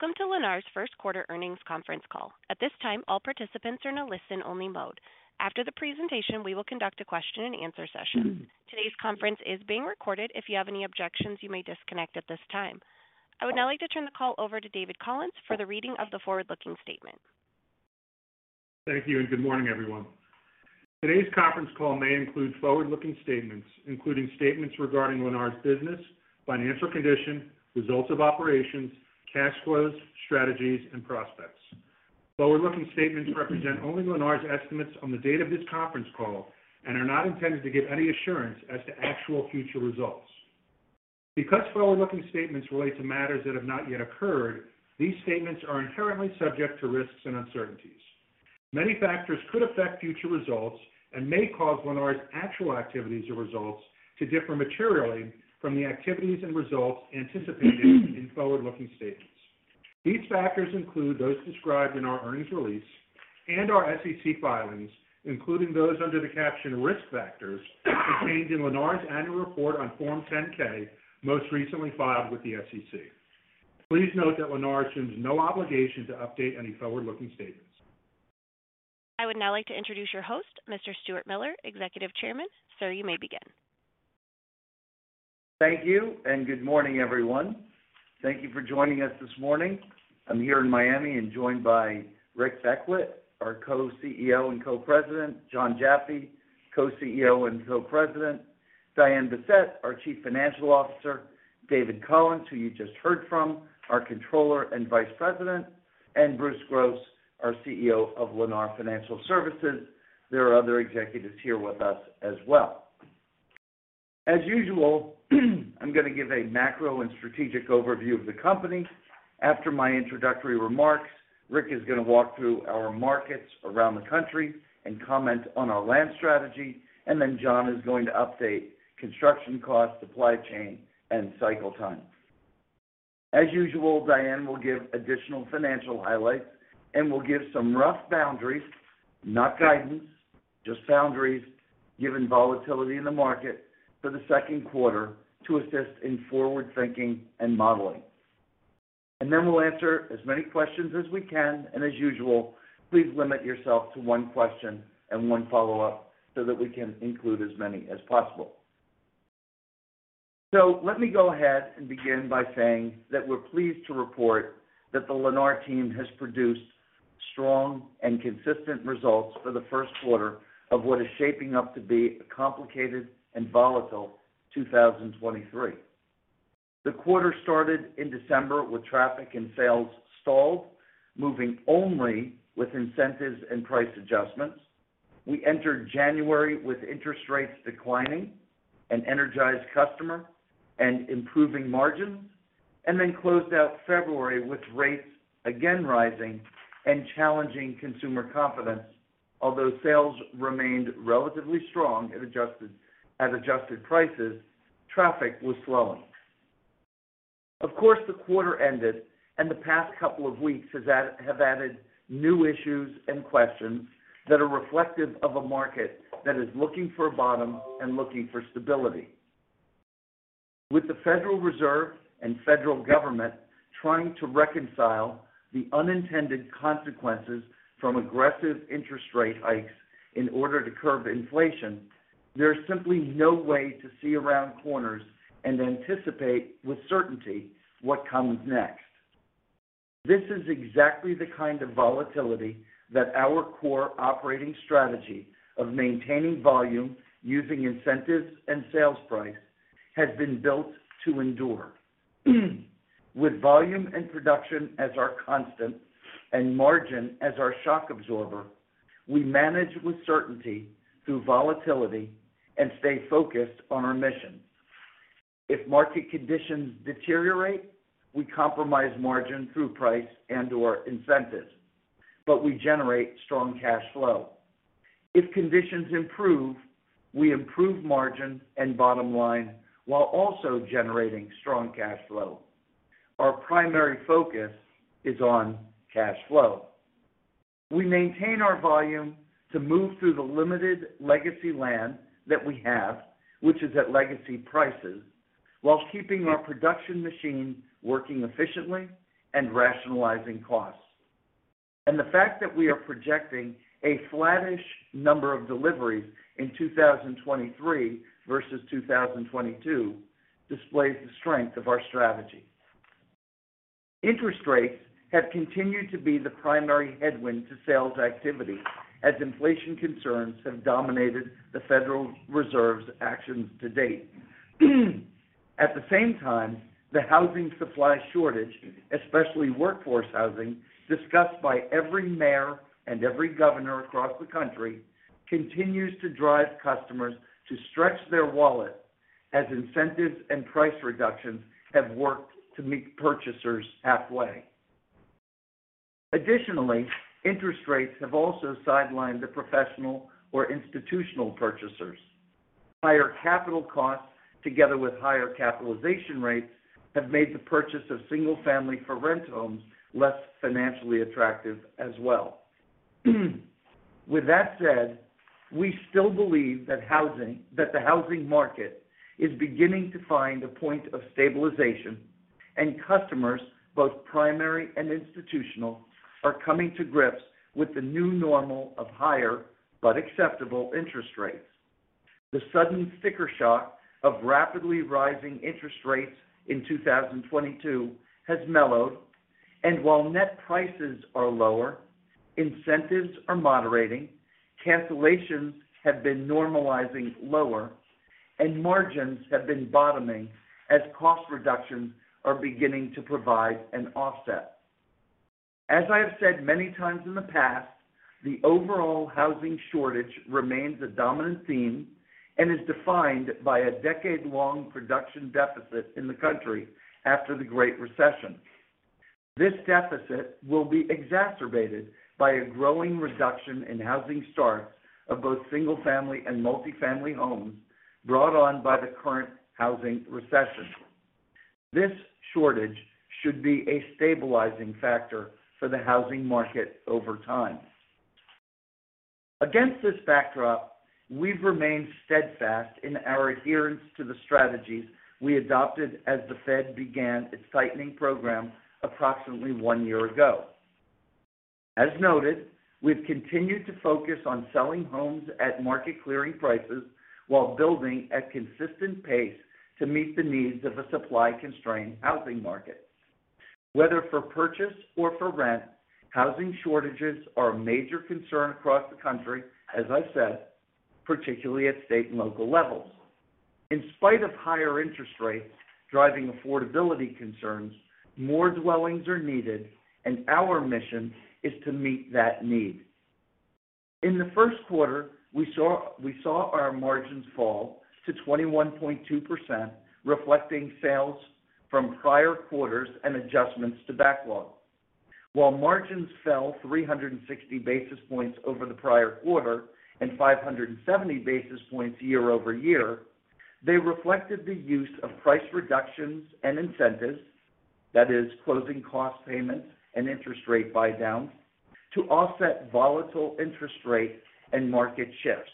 Welcome to Lennar's first quarter earnings conference call. At this time, all participants are in a listen-only mode. After the presentation, we will conduct a question-and-answer session. Today's conference is being recorded. If you have any objections, you may disconnect at this time. I would now like to turn the call over to David Collins for the reading of the forward-looking statement. Thank you, and good morning, everyone. Today's conference call may include forward-looking statements, including statements regarding Lennar's business, financial condition, results of operations, cash flows, strategies, and prospects. Forward-looking statements represent only Lennar's estimates on the date of this conference call and are not intended to give any assurance as to actual future results. Because forward-looking statements relate to matters that have not yet occurred, these statements are inherently subject to risks and uncertainties. Many factors could affect future results and may cause Lennar's actual activities or results to differ materially from the activities and results anticipated in forward-looking statements. These factors include those described in our earnings release and our SEC filings, including those under the caption Risk Factors contained in Lennar's annual report on Form 10-K, most recently filed with the SEC. Please note that Lennar assumes no obligation to update any forward-looking statements. I would now like to introduce your host, Mr. Stuart Miller, Executive Chairman. Sir, you may begin. Thank you, and good morning, everyone. Thank you for joining us this morning. I'm here in Miami and joined by Rick Beckwitt, our Co-CEO and Co-President, Jon Jaffe, Co-CEO and Co-President, Diane Bessette, our Chief Financial Officer, David Collins, who you just heard from, our Controller and Vice President, and Bruce Gross, our CEO of Lennar Financial Services. There are other executives here with us as well. As usual, I'm gonna give a macro and strategic overview of the company. After my introductory remarks, Rick is gonna walk through our markets around the country and comment on our land strategy. Then Jon is going to update construction costs, supply chain, and cycle time. As usual, Diane will give additional financial highlights. We'll give some rough boundaries, not guidance, just boundaries, given volatility in the market for the second quarter to assist in forward-thinking and modeling. We'll answer as many questions as we can. As usual, please limit yourself to one question and one follow-up so that we can include as many as possible. Let me go ahead and begin by saying that we're pleased to report that the Lennar team has produced strong and consistent results for the first quarter of what is shaping up to be a complicated and volatile 2023. The quarter started in December with traffic and sales stalled, moving only with incentives and price adjustments. We entered January with interest rates declining, an energized customer, and improving margins, and then closed out February with rates again rising and challenging consumer confidence. Although sales remained relatively strong at adjusted prices, traffic was slowing. Of course, the quarter ended, and the past couple of weeks have added new issues and questions that are reflective of a market that is looking for a bottom and looking for stability. With the Federal Reserve and federal government trying to reconcile the unintended consequences from aggressive interest rate hikes in order to curb inflation, there's simply no way to see around corners and anticipate with certainty what comes next. This is exactly the kind of volatility that our core operating strategy of maintaining volume using incentives and sales price has been built to endure. With volume and production as our constant and margin as our shock absorber, we manage with certainty through volatility and stay focused on our mission. If market conditions deteriorate, we compromise margin through price and/or incentives, but we generate strong cash flow. If conditions improve, we improve margin and bottom line while also generating strong cash flow. Our primary focus is on cash flow. We maintain our volume to move through the limited legacy land that we have, which is at legacy prices, while keeping our production machine working efficiently and rationalizing costs. The fact that we are projecting a flattish number of deliveries in 2023 versus 2022 displays the strength of our strategy. Interest rates have continued to be the primary headwind to sales activity as inflation concerns have dominated the Federal Reserve's actions to date. At the same time, the housing supply shortage, especially workforce housing, discussed by every mayor and every governor across the country, continues to drive customers to stretch their wallet as incentives and price reductions have worked to meet purchasers halfway. Additionally, interest rates have also sidelined the professional or institutional purchasers. Higher capital costs together with higher capitalization rates have made the purchase of single-family-for-rent homes less financially attractive as well. With that said, we still believe that the housing market is beginning to find a point of stabilization. Customers, both primary and institutional, are coming to grips with the new normal of higher but acceptable interest rates. The sudden sticker shock of rapidly rising interest rates in 2022 has mellowed. While net prices are lower, incentives are moderating, cancellations have been normalizing lower. Margins have been bottoming as cost reductions are beginning to provide an offset. As I have said many times in the past, the overall housing shortage remains a dominant theme and is defined by a decade-long production deficit in the country after the Great Recession. This deficit will be exacerbated by a growing reduction in housing starts of both single-family and multi-family homes brought on by the current housing recession. This shortage should be a stabilizing factor for the housing market over time. Against this backdrop, we've remained steadfast in our adherence to the strategies we adopted as the Fed began its tightening program approximately one year ago. As noted, we've continued to focus on selling homes at market-clearing prices while building at consistent pace to meet the needs of a supply-constrained housing market. Whether for purchase or for rent, housing shortages are a major concern across the country, as I said, particularly at state and local levels. In spite of higher interest rates driving affordability concerns, more dwellings are needed, and our mission is to meet that need. In the first quarter, we saw our margins fall to 21.2%, reflecting sales from prior quarters and adjustments to backlog. While margins fell 360 basis points over the prior quarter and 570 basis points year-over-year, they reflected the use of price reductions and incentives, that is closing cost payments and interest rate buydowns, to offset volatile interest rates and market shifts.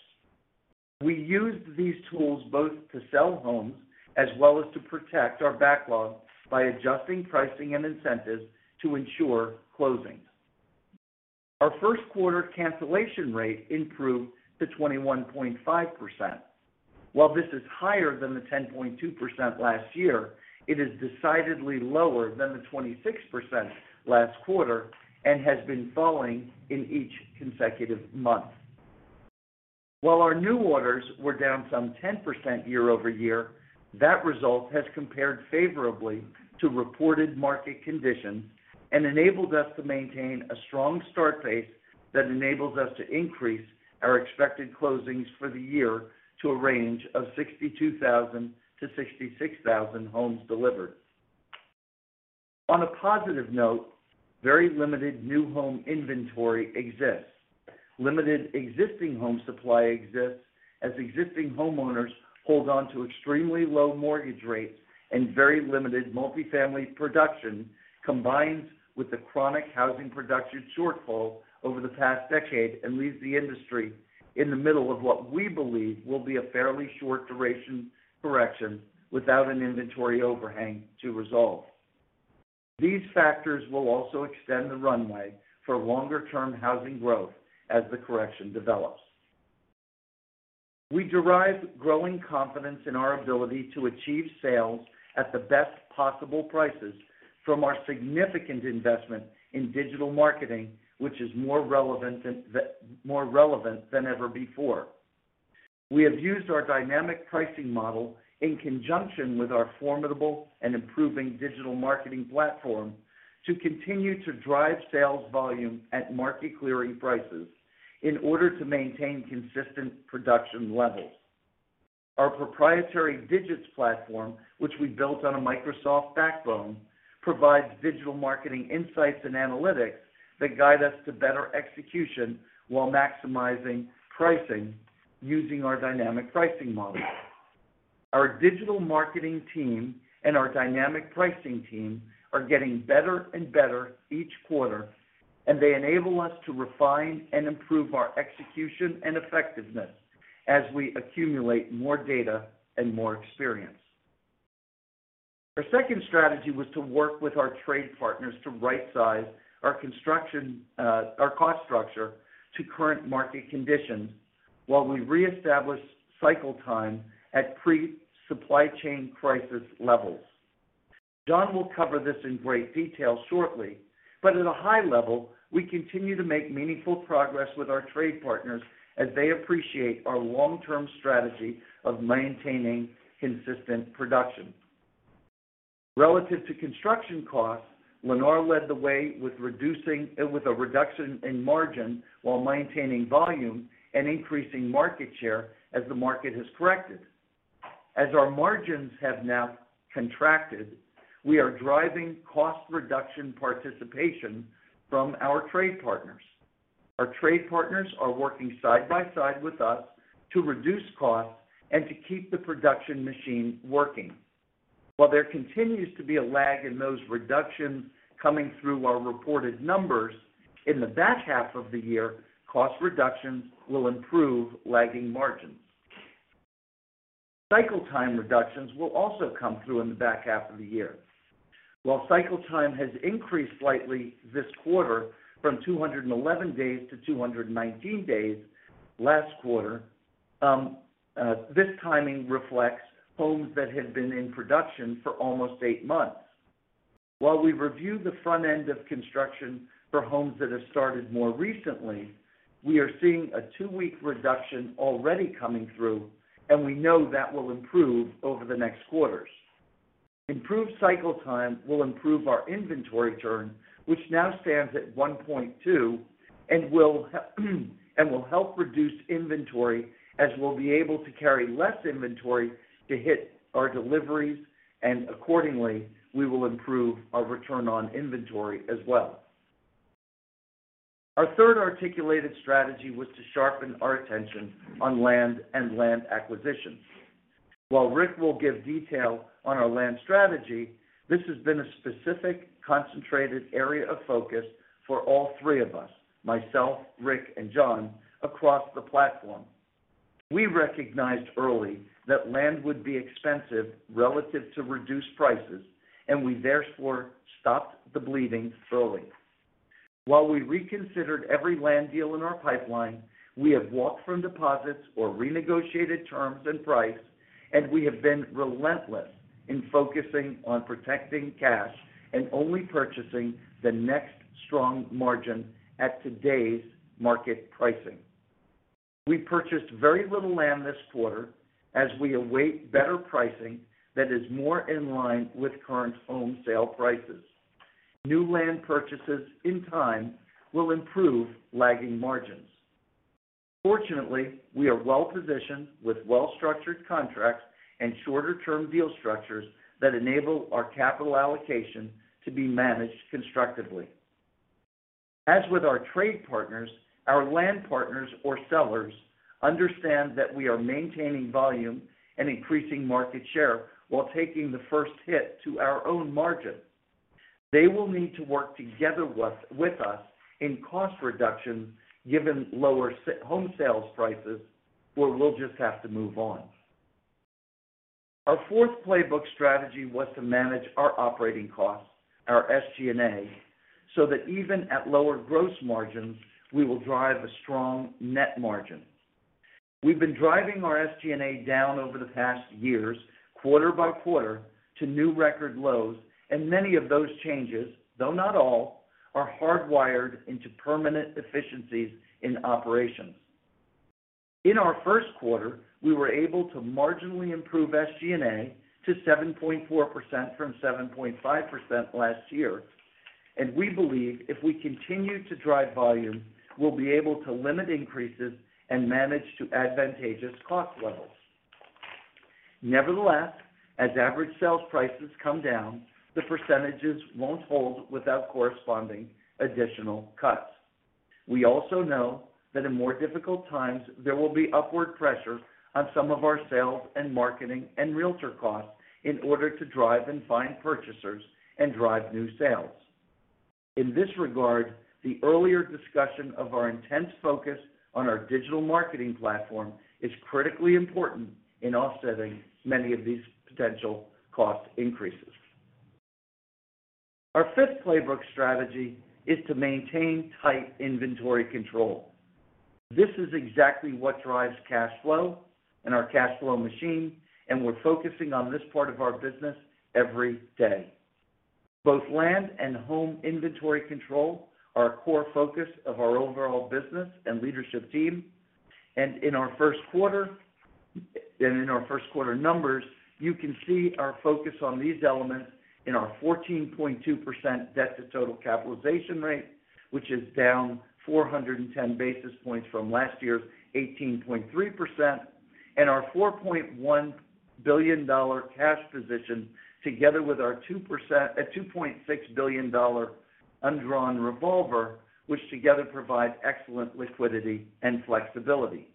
We used these tools both to sell homes as well as to protect our backlog by adjusting pricing and incentives to ensure closings. Our first quarter cancellation rate improved to 21.5%. While this is higher than the 10.2% last year, it is decidedly lower than the 26% last quarter and has been falling in each consecutive month. While our new orders were down some 10% year-over-year, that result has compared favorably to reported market conditions and enabled us to maintain a strong start pace that enables us to increase our expected closings for the year to a range of 62,000-66,000 homes delivered. On a positive note, very limited new home inventory exists. Limited existing home supply exists as existing homeowners hold on to extremely low mortgage rates and very limited multi-family production combines with the chronic housing production shortfall over the past decade and leaves the industry in the middle of what we believe will be a fairly short-duration correction without an inventory overhang to resolve. These factors will also extend the runway for longer-term housing growth as the correction develops. We derive growing confidence in our ability to achieve sales at the best possible prices from our significant investment in digital marketing, which is more relevant than ever before. We have used our dynamic pricing model in conjunction with our formidable and improving digital marketing platform to continue to drive sales volume at market clearing prices in order to maintain consistent production levels. Our proprietary Digits platform, which we built on a Microsoft backbone, provides digital marketing insights and analytics that guide us to better execution while maximizing pricing using our dynamic pricing model. Our digital marketing team and our dynamic pricing team are getting better and better each quarter, and they enable us to refine and improve our execution and effectiveness as we accumulate more data and more experience. Our second strategy was to work with our trade partners to rightsize our construction, our cost structure to current market conditions while we reestablish cycle time at pre-supply chain crisis levels. Jon will cover this in great detail shortly. At a high level, we continue to make meaningful progress with our trade partners as they appreciate our long-term strategy of maintaining consistent production. Relative to construction costs, Lennar led the way with a reduction in margin while maintaining volume and increasing market share as the market has corrected. As our margins have now contracted, we are driving cost reduction participation from our trade partners. Our trade partners are working side by side with us to reduce costs and to keep the production machine working. While there continues to be a lag in those reductions coming through our reported numbers, in the back half of the year, cost reductions will improve lagging margins. Cycle time reductions will also come through in the back half of the year. While cycle time has increased slightly this quarter from 211 days to 219 days last quarter, this timing reflects homes that had been in production for almost eight months. While we review the front end of construction for homes that have started more recently, we are seeing a two-week reduction already coming through, and we know that will improve over the next quarters. Improved cycle time will improve our inventory turn, which now stands at 1.2, and will help reduce inventory as we'll be able to carry less inventory to hit our deliveries. Accordingly, we will improve our return on inventory as well. Our third articulated strategy was to sharpen our attention on land and land acquisitions. While Rick will give detail on our land strategy, this has been a specific, concentrated area of focus for all three of us, myself, Rick, and Jon, across the platform. We recognized early that land would be expensive relative to reduced prices. We therefore stopped the bleeding early. While we reconsidered every land deal in our pipeline, we have walked from deposits or renegotiated terms and price. We have been relentless in focusing on protecting cash and only purchasing the next strong margin at today's market pricing. We purchased very little land this quarter as we await better pricing that is more in line with current home sale prices. New land purchases in time will improve lagging margins. Fortunately, we are well-positioned with well-structured contracts and shorter-term deal structures that enable our capital allocation to be managed constructively. As with our trade partners, our land partners or sellers understand that we are maintaining volume and increasing market share while taking the first hit to our own margin. They will need to work together with us in cost reductions, given lower home sales prices, or we'll just have to move on. Our fourth playbook strategy was to manage our operating costs, our SG&A, so that even at lower gross margins, we will drive a strong net margin. We've been driving our SG&A down over the past years, quarter by quarter, to new record lows, and many of those changes, though not all, are hardwired into permanent efficiencies in operations. In our first quarter, we were able to marginally improve SG&A to 7.4% from 7.5% last year, and we believe if we continue to drive volume, we'll be able to limit increases and manage to advantageous cost levels. Nevertheless, as average sales prices come down, the percentages won't hold without corresponding additional cuts. We also know that in more difficult times, there will be upward pressure on some of our sales and marketing and realtor costs in order to drive and find purchasers and drive new sales. In this regard, the earlier discussion of our intense focus on our digital marketing platform is critically important in offsetting many of these potential cost increases. Our fifth playbook strategy is to maintain tight inventory control. This is exactly what drives cash flow and our cash flow machine, and we're focusing on this part of our business every day. Both land and home inventory control are a core focus of our overall business and leadership team, and in our first quarter numbers, you can see our focus on these elements in our 14.2% debt to total capitalization rate, which is down 410 basis points from last year's 18.3%, and our $4.1 billion cash position, together with our $2.6 billion undrawn revolver, which together provide excellent liquidity and flexibility.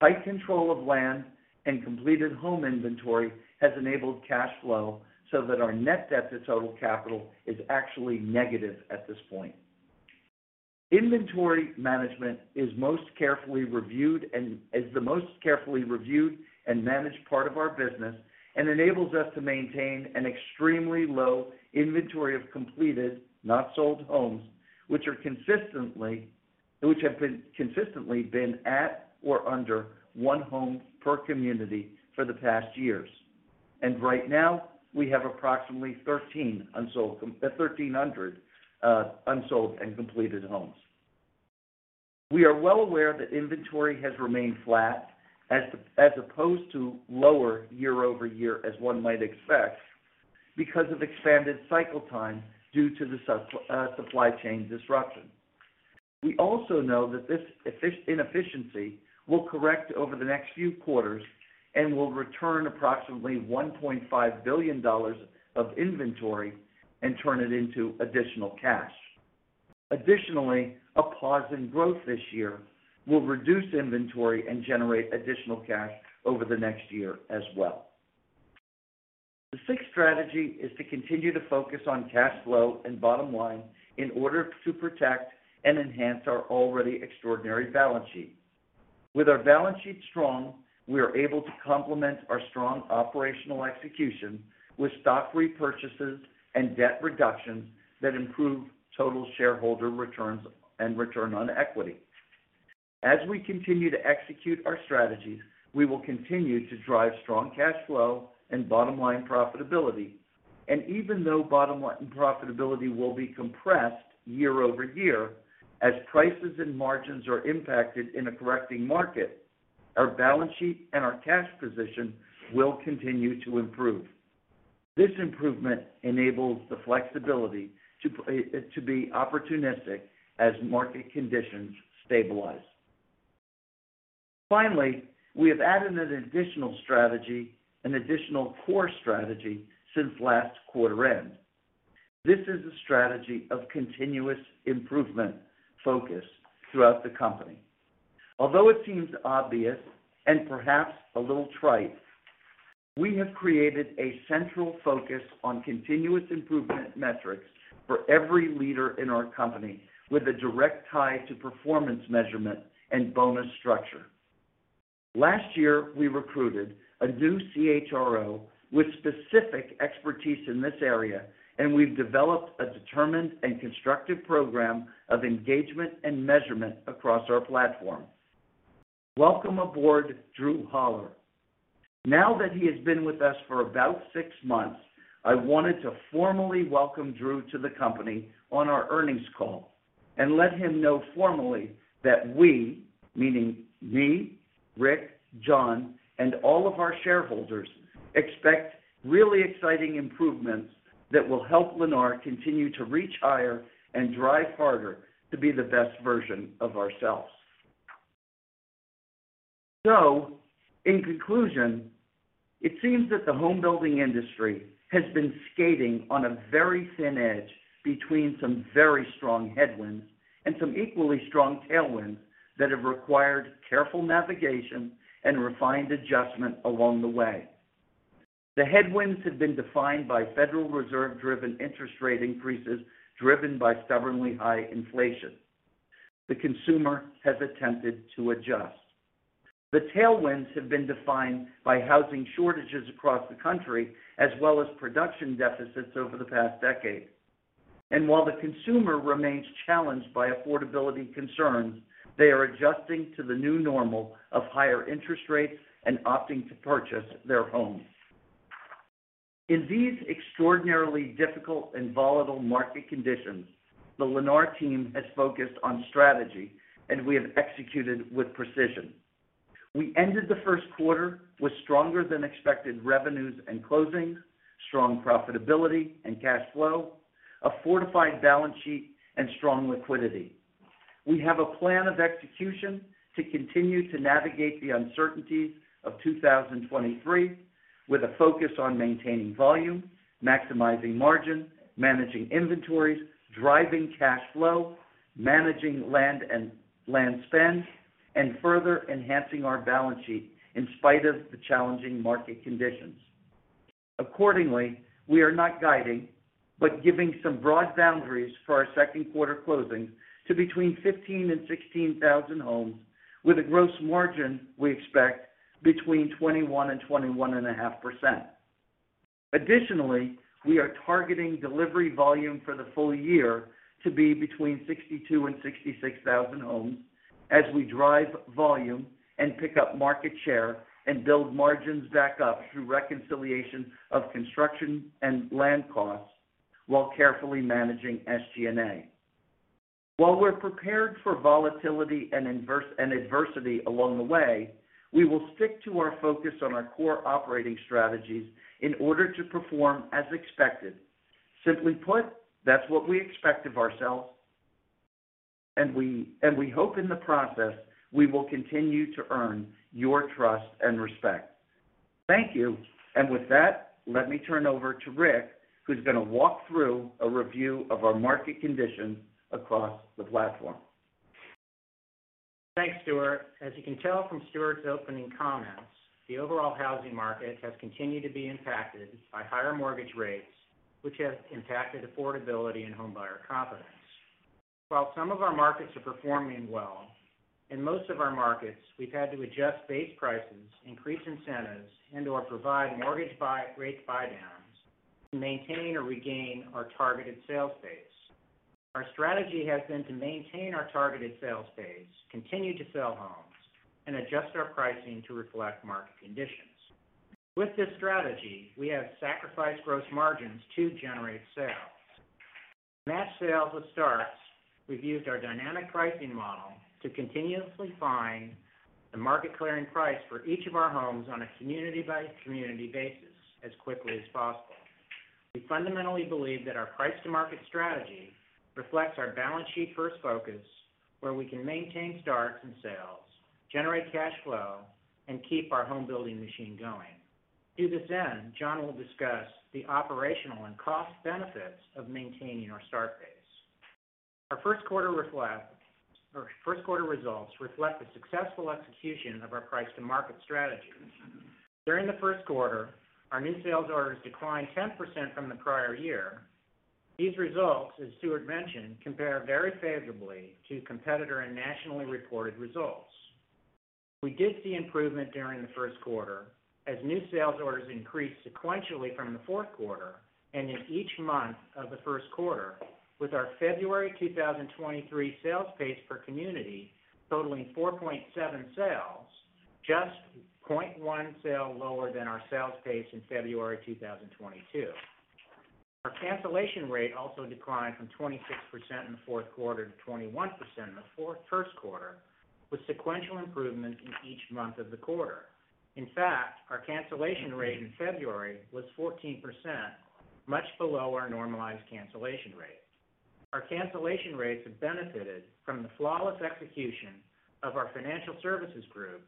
Tight control of land and completed home inventory has enabled cash flow so that our net debt to total capital is actually negative at this point. Inventory management is most carefully reviewed and is the most carefully reviewed and managed part of our business and enables us to maintain an extremely low inventory of completed, not sold, homes, which have been consistently at or under one home per community for the past years. Right now, we have approximately 1,300 unsold and completed homes. We are well aware that inventory has remained flat as opposed to lower year-over-year as one might expect because of expanded cycle time due to the supply chain disruption. We also know that this inefficiency will correct over the next few quarters and will return approximately $1.5 billion of inventory and turn it into additional cash. A pause in growth this year will reduce inventory and generate additional cash over the next year as well. The sixth strategy is to continue to focus on cash flow and bottom line in order to protect and enhance our already extraordinary balance sheet. Our balance sheet strong, we are able to complement our strong operational execution with stock repurchases and debt reductions that improve total shareholder returns and return on equity. We continue to execute our strategies, we will continue to drive strong cash flow and bottom-line profitability. Even though bottom-line profitability will be compressed year-over-year as prices and margins are impacted in a correcting market, our balance sheet and our cash position will continue to improve. This improvement enables the flexibility to be opportunistic as market conditions stabilize. Finally, we have added an additional strategy, an additional core strategy since last quarter end. This is a strategy of continuous improvement focus throughout the company. Although it seems obvious and perhaps a little trite, we have created a central focus on continuous improvement metrics for every leader in our company with a direct tie to performance measurement and bonus structure. Last year, we recruited a new CHRO with specific expertise in this area, and we've developed a determined and constructive program of engagement and measurement across our platform. Welcome aboard, Drew Holler. Now that he has been with us for about six months, I wanted to formally welcome Drew to the company on our earnings call and let him know formally that we, meaning me, Rick, Jon, and all of our shareholders, expect really exciting improvements that will help Lennar continue to reach higher and drive harder to be the best version of ourselves. In conclusion, it seems that the home-building industry has been skating on a very thin edge between some very strong headwinds and some equally strong tailwinds that have required careful navigation and refined adjustment along the way. The headwinds have been defined by Federal Reserve-driven interest rate increases driven by stubbornly high inflation. The consumer has attempted to adjust. The tailwinds have been defined by housing shortages across the country as well as production deficits over the past decade. While the consumer remains challenged by affordability concerns, they are adjusting to the new normal of higher interest rates and opting to purchase their homes. In these extraordinarily difficult and volatile market conditions, the Lennar team has focused on strategy, and we have executed with precision. We ended the first quarter with stronger-than-expected revenues and closings, strong profitability and cash flow, a fortified balance sheet, and strong liquidity. We have a plan of execution to continue to navigate the uncertainties of 2023 with a focus on maintaining volume, maximizing margin, managing inventories, driving cash flow, managing land and land spend, and further enhancing our balance sheet in spite of the challenging market conditions. Accordingly, we are not guiding, but giving some broad boundaries for our second quarter closings to between 15,000 homes and 16,000 homes with a gross margin we expect between 21% and 21.5%. Additionally, we are targeting delivery volume for the full year to be between 62,000 homes and 66,000 homes as we drive volume and pick up market share and build margins back up through reconciliation of construction and land costs while carefully managing SG&A. While we're prepared for volatility and adverse and adversity along the way, we will stick to our focus on our core operating strategies in order to perform as expected. Simply put, that's what we expect of ourselves, and we hope in the process, we will continue to earn your trust and respect. Thank you. With that, let me turn over to Rick, who's gonna walk through a review of our market conditions across the platform. Thanks, Stuart. As you can tell from Stuart's opening comments, the overall housing market has continued to be impacted by higher mortgage rates, which has impacted affordability and homebuyer confidence. While some of our markets are performing well, in most of our markets, we've had to adjust base prices, increase incentives, and/or provide rate buydowns to maintain or regain our targeted sales base. Our strategy has been to maintain our targeted sales base, continue to sell homes, and adjust our pricing to reflect market conditions. With this strategy, we have sacrificed gross margins to generate sales. To match sales with starts, we've used our dynamic pricing model to continuously find the market clearing price for each of our homes on a community-by-community basis as quickly as possible. We fundamentally believe that our price-to-market strategy reflects our balance sheet first focus, where we can maintain starts and sales, generate cash flow, and keep our home building machine going. To this end, Jon will discuss the operational and cost benefits of maintaining our start pace. Our first quarter results reflect the successful execution of our price to market strategy. During the first quarter, our new sales orders declined 10% from the prior year. These results, as Stuart mentioned, compare very favorably to competitor and nationally reported results. We did see improvement during the first quarter as new sales orders increased sequentially from the fourth quarter and in each month of the first quarter, with our February 2023 sales pace per community totaling 4.7 sales, just 0.1 sale lower than our sales pace in February 2022. Our cancellation rate also declined from 26% in the fourth quarter to 21% in the first quarter, with sequential improvement in each month of the quarter. Our cancellation rate in February was 14%, much below our normalized cancellation rate. Our cancellation rates have benefited from the flawless execution of our Financial Services group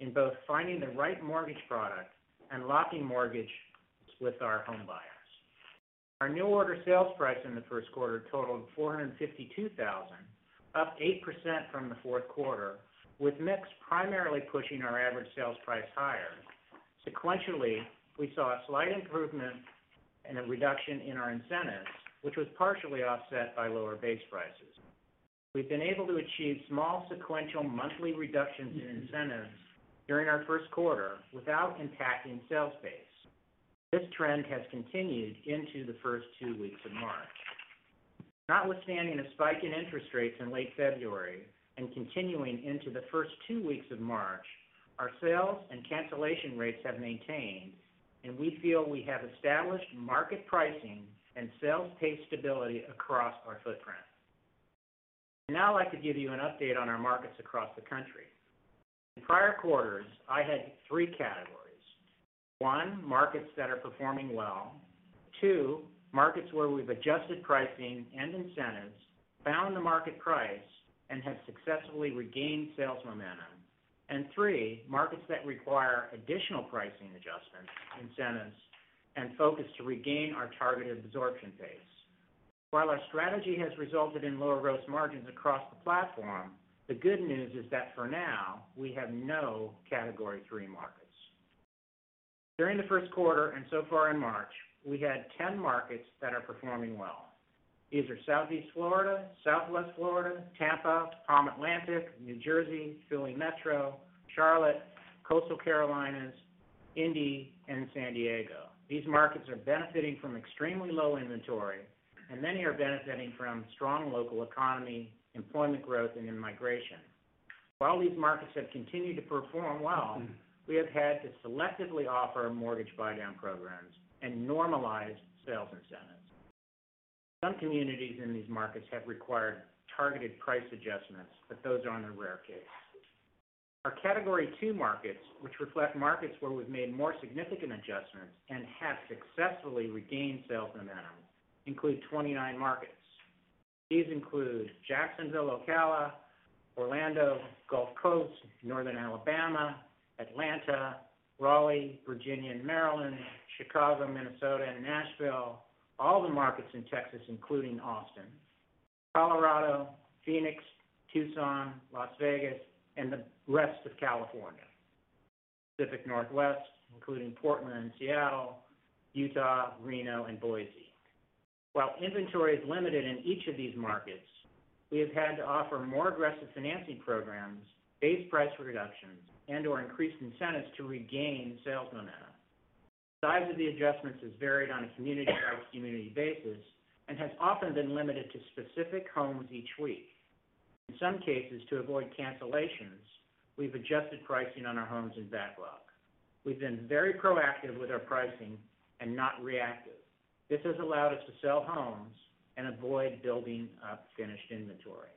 in both finding the right mortgage product and locking mortgage with our home buyers. Our new order sales price in the first quarter totaled $452,000, up 8% from the fourth quarter, with mix primarily pushing our average sales price higher. Sequentially, we saw a slight improvement and a reduction in our incentives, which was partially offset by lower base prices. We've been able to achieve small sequential monthly reductions in incentives during our first quarter without impacting sales pace. This trend has continued into the first two weeks of March. Notwithstanding a spike in interest rates in late February and continuing into the first two weeks of March, our sales and cancellation rates have maintained, and we feel we have established market pricing and sales pace stability across our footprint. I'd now like to give you an update on our markets across the country. In prior quarters, I had three categories. One, markets that are performing well. Two, markets where we've adjusted pricing and incentives, found the market price, and have successfully regained sales momentum. And three, markets that require additional pricing adjustments, incentives, and focus to regain our targeted absorption pace. While our strategy has resulted in lower gross margins across the platform, the good news is that for now, we have no Category 3 markets. During the first quarter and so far in March, we had 10 markets that are performing well. These are Southeast Florida, Southwest Florida, Tampa, Palm Atlantic, New Jersey, Philly Metro, Charlotte, Coastal Carolinas, Indy, and San Diego. These markets are benefiting from extremely low inventory, and many are benefiting from strong local economy, employment growth, and in migration. While these markets have continued to perform well, we have had to selectively offer mortgage buydown programs and normalize sales incentives. Some communities in these markets have required targeted price adjustments, but those are in the rare case. Our Category 2 markets, which reflect markets where we've made more significant adjustments and have successfully regained sales momentum, include 29 markets. These include Jacksonville, Ocala, Orlando, Gulf Coast, Northern Alabama, Atlanta, Raleigh, Virginia, and Maryland, Chicago, Minnesota, and Nashville, all the markets in Texas, including Austin, Colorado, Phoenix, Tucson, Las Vegas, and the rest of California. Pacific Northwest, including Portland and Seattle, Utah, Reno, and Boise. While inventory is limited in each of these markets, we have had to offer more aggressive financing programs, base price reductions, and/or increased incentives to regain sales momentum. The size of the adjustments has varied on a community-by-community basis and has often been limited to specific homes each week. In some cases, to avoid cancellations, we've adjusted pricing on our homes in backlog. We've been very proactive with our pricing and not reactive. This has allowed us to sell homes and avoid building up finished inventory.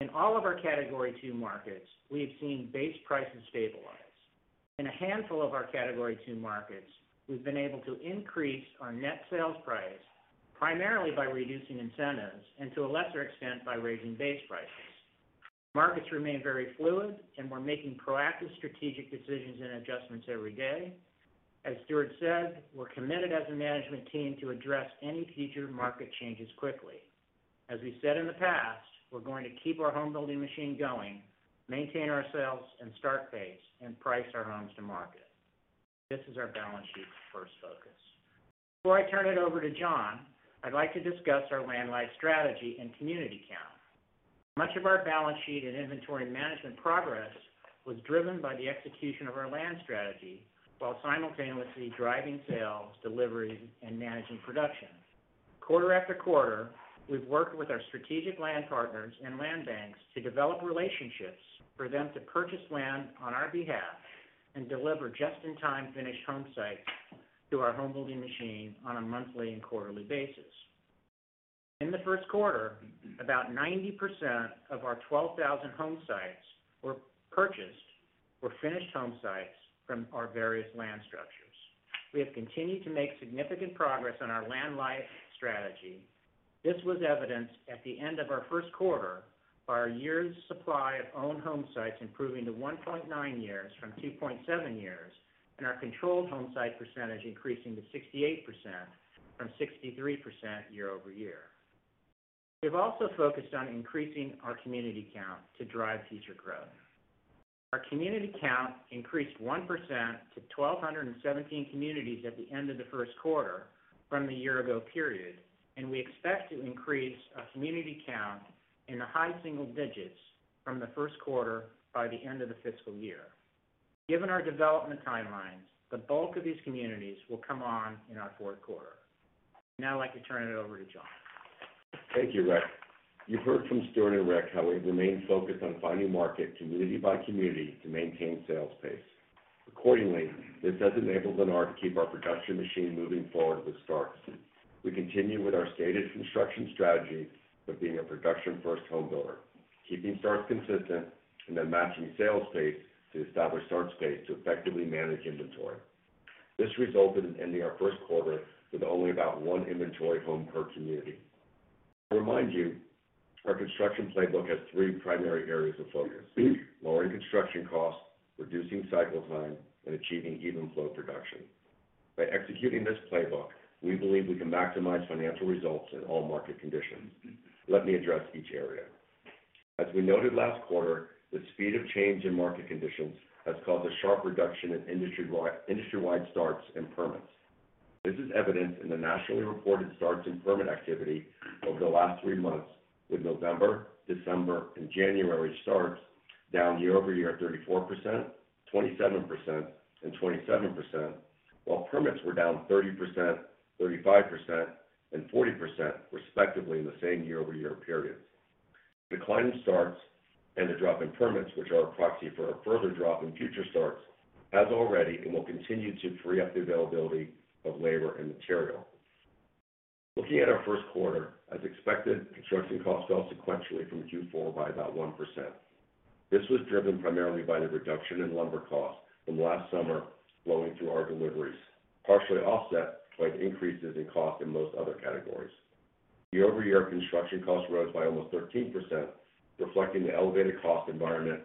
In all of our Category 2 markets, we have seen base prices stabilize. In a handful of our Category 2 markets, we've been able to increase our net sales price primarily by reducing incentives and to a lesser extent by raising base prices. Markets remain very fluid, and we're making proactive strategic decisions and adjustments every day. As Stuart said, we're committed as a management team to address any future market changes quickly. As we said in the past, we're going to keep our home building machine going, maintain our sales and start pace, and price our homes to market. This is our balance sheet's first focus. Before I turn it over to Jon, I'd like to discuss our land-light strategy and community count. Much of our balance sheet and inventory management progress was driven by the execution of our land strategy while simultaneously driving sales, delivery, and managing production. Quarter after quarter, we've worked with our strategic land partners and land banks to develop relationships for them to purchase land on our behalf and deliver just-in-time finished home sites to our home building machine on a monthly and quarterly basis. In the first quarter, about 90% of our 12,000 home sites were purchased finished home sites from our various land structures. We have continued to make significant progress on our land-light strategy. This was evidenced at the end of our first quarter by our years supply of owned home sites improving to 1.9 years from 2.7 years, and our controlled home site percentage increasing to 68% from 63% year-over-year. We've also focused on increasing our community count to drive future growth. Our community count increased 1% to 1,217 communities at the end of the first quarter from the year ago period. We expect to increase our community count in the high single digits from the first quarter by the end of the fiscal year. Given our development timelines, the bulk of these communities will come on in our fourth quarter. I'd now like to turn it over to Jon. Thank you, Rick. You've heard from Stuart and Rick how we've remained focused on finding market community by community to maintain sales pace. Accordingly, this has enabled Lennar to keep our production machine moving forward with starts. We continue with our stated construction strategy of being a production-first home builder, keeping starts consistent, and then matching sales pace to establish start pace to effectively manage inventory. This resulted in ending our first quarter with only about one inventory home per community. To remind you, our construction playbook has three primary areas of focus: lowering construction costs, reducing cycle time, and achieving even flow production. By executing this playbook, we believe we can maximize financial results in all market conditions. Let me address each area. As we noted last quarter, the speed of change in market conditions has caused a sharp reduction in industry-wide starts and permits. This is evident in the nationally reported starts and permit activity over the last three months, with November, December, and January starts down year-over-year at 34%, 27%, and 27%, while permits were down 30%, 35%, and 40%, respectively, in the same year-over-year periods. Decline in starts and the drop in permits, which are a proxy for a further drop in future starts, has already and will continue to free up the availability of labor and material. Looking at our first quarter, as expected, construction costs fell sequentially from Q4 by about 1%. This was driven primarily by the reduction in lumber costs from last summer flowing through our deliveries, partially offset by increases in cost in most other categories. Year-over-year construction costs rose by almost 13%, reflecting the elevated cost environment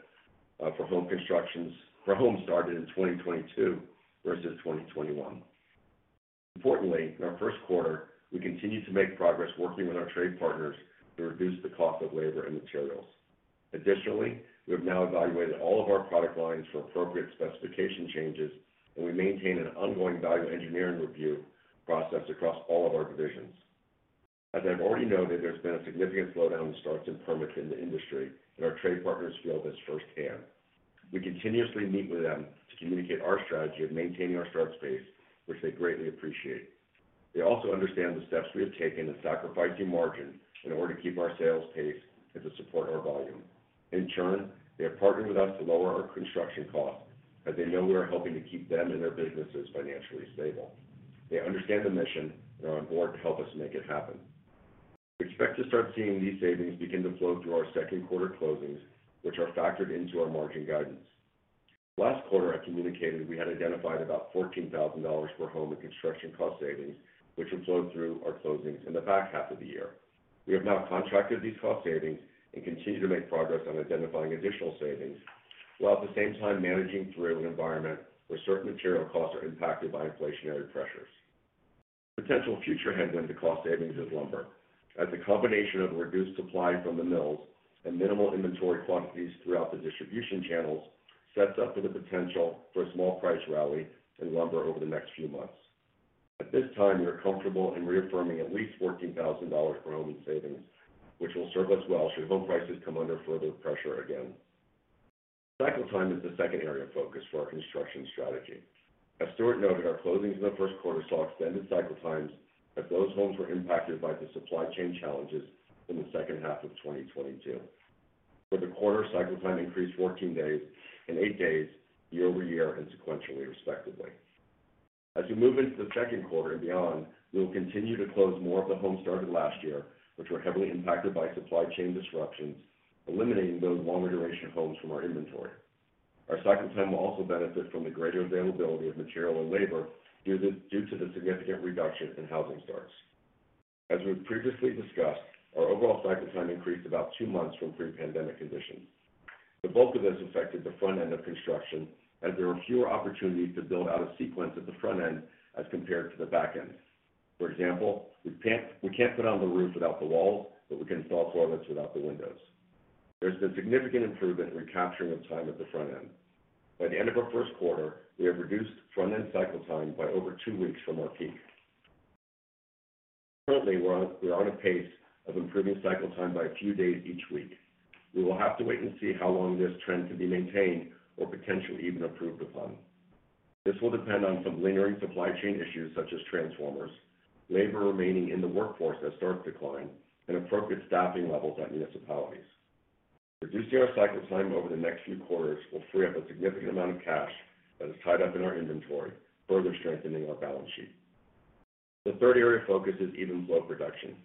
for home constructions for homes started in 2022 versus 2021. Importantly, in our first quarter, we continued to make progress working with our trade partners to reduce the cost of labor and materials. Additionally, we have now evaluated all of our product lines for appropriate specification changes, and we maintain an ongoing value engineering review process across all of our divisions. As I've already noted, there's been a significant slowdown in starts and permits in the industry, and our trade partners feel this firsthand. We continuously meet with them to communicate our strategy of maintaining our start pace, which they greatly appreciate. They also understand the steps we have taken and sacrificing margin in order to keep our sales pace and to support our volume. In turn, they have partnered with us to lower our construction costs as they know we are helping to keep them and their businesses financially stable. They understand the mission and are on board to help us make it happen. We expect to start seeing these savings begin to flow through our second quarter closings, which are factored into our margin guidance. Last quarter, I communicated we had identified about $14,000 per home in construction cost savings, which would flow through our closings in the back half of the year. We have now contracted these cost savings and continue to make progress on identifying additional savings, while at the same time managing through an environment where certain material costs are impacted by inflationary pressures. Potential future headwind to cost savings is lumber, as the combination of reduced supply from the mills and minimal inventory quantities throughout the distribution channels sets up for the potential for a small price rally in lumber over the next few months. At this time, we are comfortable in reaffirming at least $14,000 per home in savings, which will serve us well should home prices come under further pressure again. Cycle time is the second area of focus for our construction strategy. As Stuart noted, our closings in the first quarter saw extended cycle times as those homes were impacted by the supply chain challenges in the second half of 2022. For the quarter, cycle time increased 14 days and eight days year-over-year and sequentially, respectively. As we move into the second quarter and beyond, we will continue to close more of the homes started last year, which were heavily impacted by supply chain disruptions, eliminating those longer duration homes from our inventory. Our cycle time will also benefit from the greater availability of material and labor due to the significant reduction in housing starts. As we've previously discussed, our overall cycle time increased about two months from pre-pandemic conditions. The bulk of this affected the front end of construction, as there were fewer opportunities to build out a sequence at the front end as compared to the back end. For example, we can't put on the roof without the walls, but we can install toilets without the windows. There's been significant improvement in recapturing of time at the front end. By the end of our first quarter, we have reduced front-end cycle time by over two weeks from our peak. Currently, we're on a pace of improving cycle time by a few days each week. We will have to wait and see how long this trend can be maintained or potentially even improved upon. This will depend on some lingering supply chain issues such as transformers, labor remaining in the workforce as starts decline, and appropriate staffing levels at municipalities. Reducing our cycle time over the next few quarters will free up a significant amount of cash that is tied up in our inventory, further strengthening our balance sheet. The third area of focus is even flow production.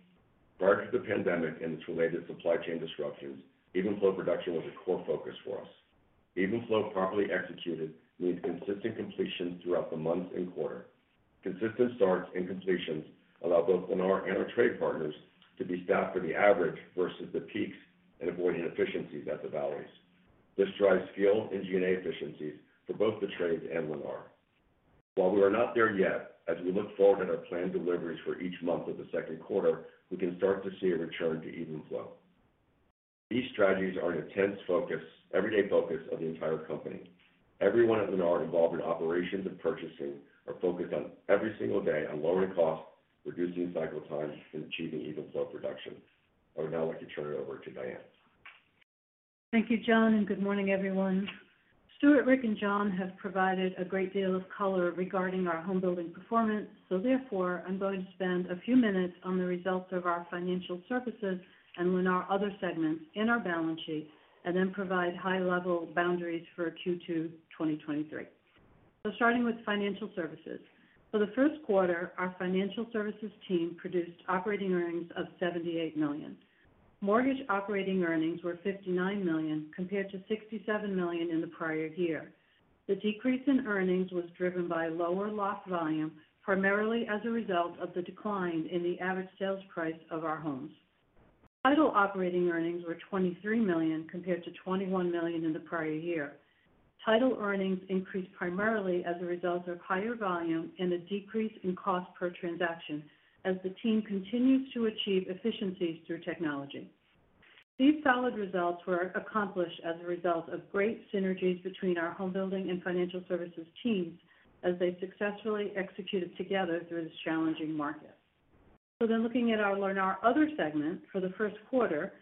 Prior to the pandemic and its related supply chain disruptions, even flow production was a core focus for us. Even flow properly executed means consistent completions throughout the month and quarter. Consistent starts and completions allow both Lennar and our trade partners to be staffed for the average versus the peaks and avoid inefficiencies at the valleys. This drives field and G&A efficiencies for both the trades and Lennar. While we are not there yet, as we look forward at our planned deliveries for each month of the second quarter, we can start to see a return to even flow. These strategies are an intense focus, everyday focus of the entire company. Everyone at Lennar involved in operations and purchasing are focused on every single day on lowering costs, reducing cycle times, and achieving even flow production. I would now like to turn it over to Diane. Thank you, Jon, good morning, everyone. Stuart, Rick and Jon have provided a great deal of color regarding our homebuilding performance, therefore, I'm going to spend a few minutes on the results of our Financial Services and Lennar Other segments in our balance sheet and then provide high-level boundaries for Q2 2023. Starting with Financial Services. For the first quarter, our Financial Services team produced operating earnings of $78 million. Mortgage operating earnings were $59 million compared to $67 million in the prior year. The decrease in earnings was driven by lower lock volume, primarily as a result of the decline in the average sales price of our homes. Title operating earnings were $23 million compared to $21 million in the prior year. Title earnings increased primarily as a result of higher volume and a decrease in cost per transaction as the team continues to achieve efficiencies through technology. These solid results were accomplished as a result of great synergies between our homebuilding and financial services teams as they successfully executed together through this challenging market. Looking at our Lennar Other segment for the first quarter,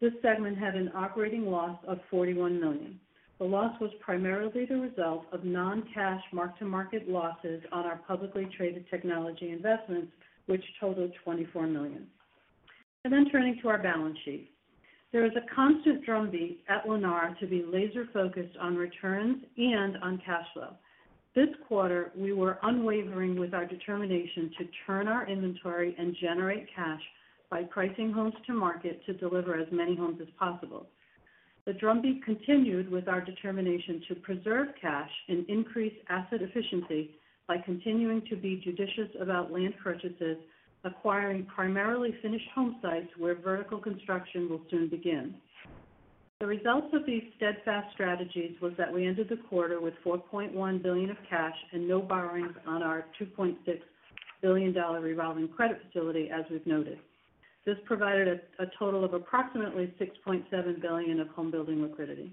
this segment had an operating loss of $41 million. The loss was primarily the result of non-cash mark-to-market losses on our publicly traded technology investments, which totaled $24 million. Turning to our balance sheet. There is a constant drumbeat at Lennar to be laser-focused on returns and on cash flow. This quarter, we were unwavering with our determination to turn our inventory and generate cash by pricing homes to market to deliver as many homes as possible. The drumbeat continued with our determination to preserve cash and increase asset efficiency by continuing to be judicious about land purchases, acquiring primarily finished homesites where vertical construction will soon begin. The results of these steadfast strategies was that we ended the quarter with $4.1 billion of cash and no borrowings on our $2.6 billion revolving credit facility as we've noted. This provided a total of approximately $6.7 billion of homebuilding liquidity.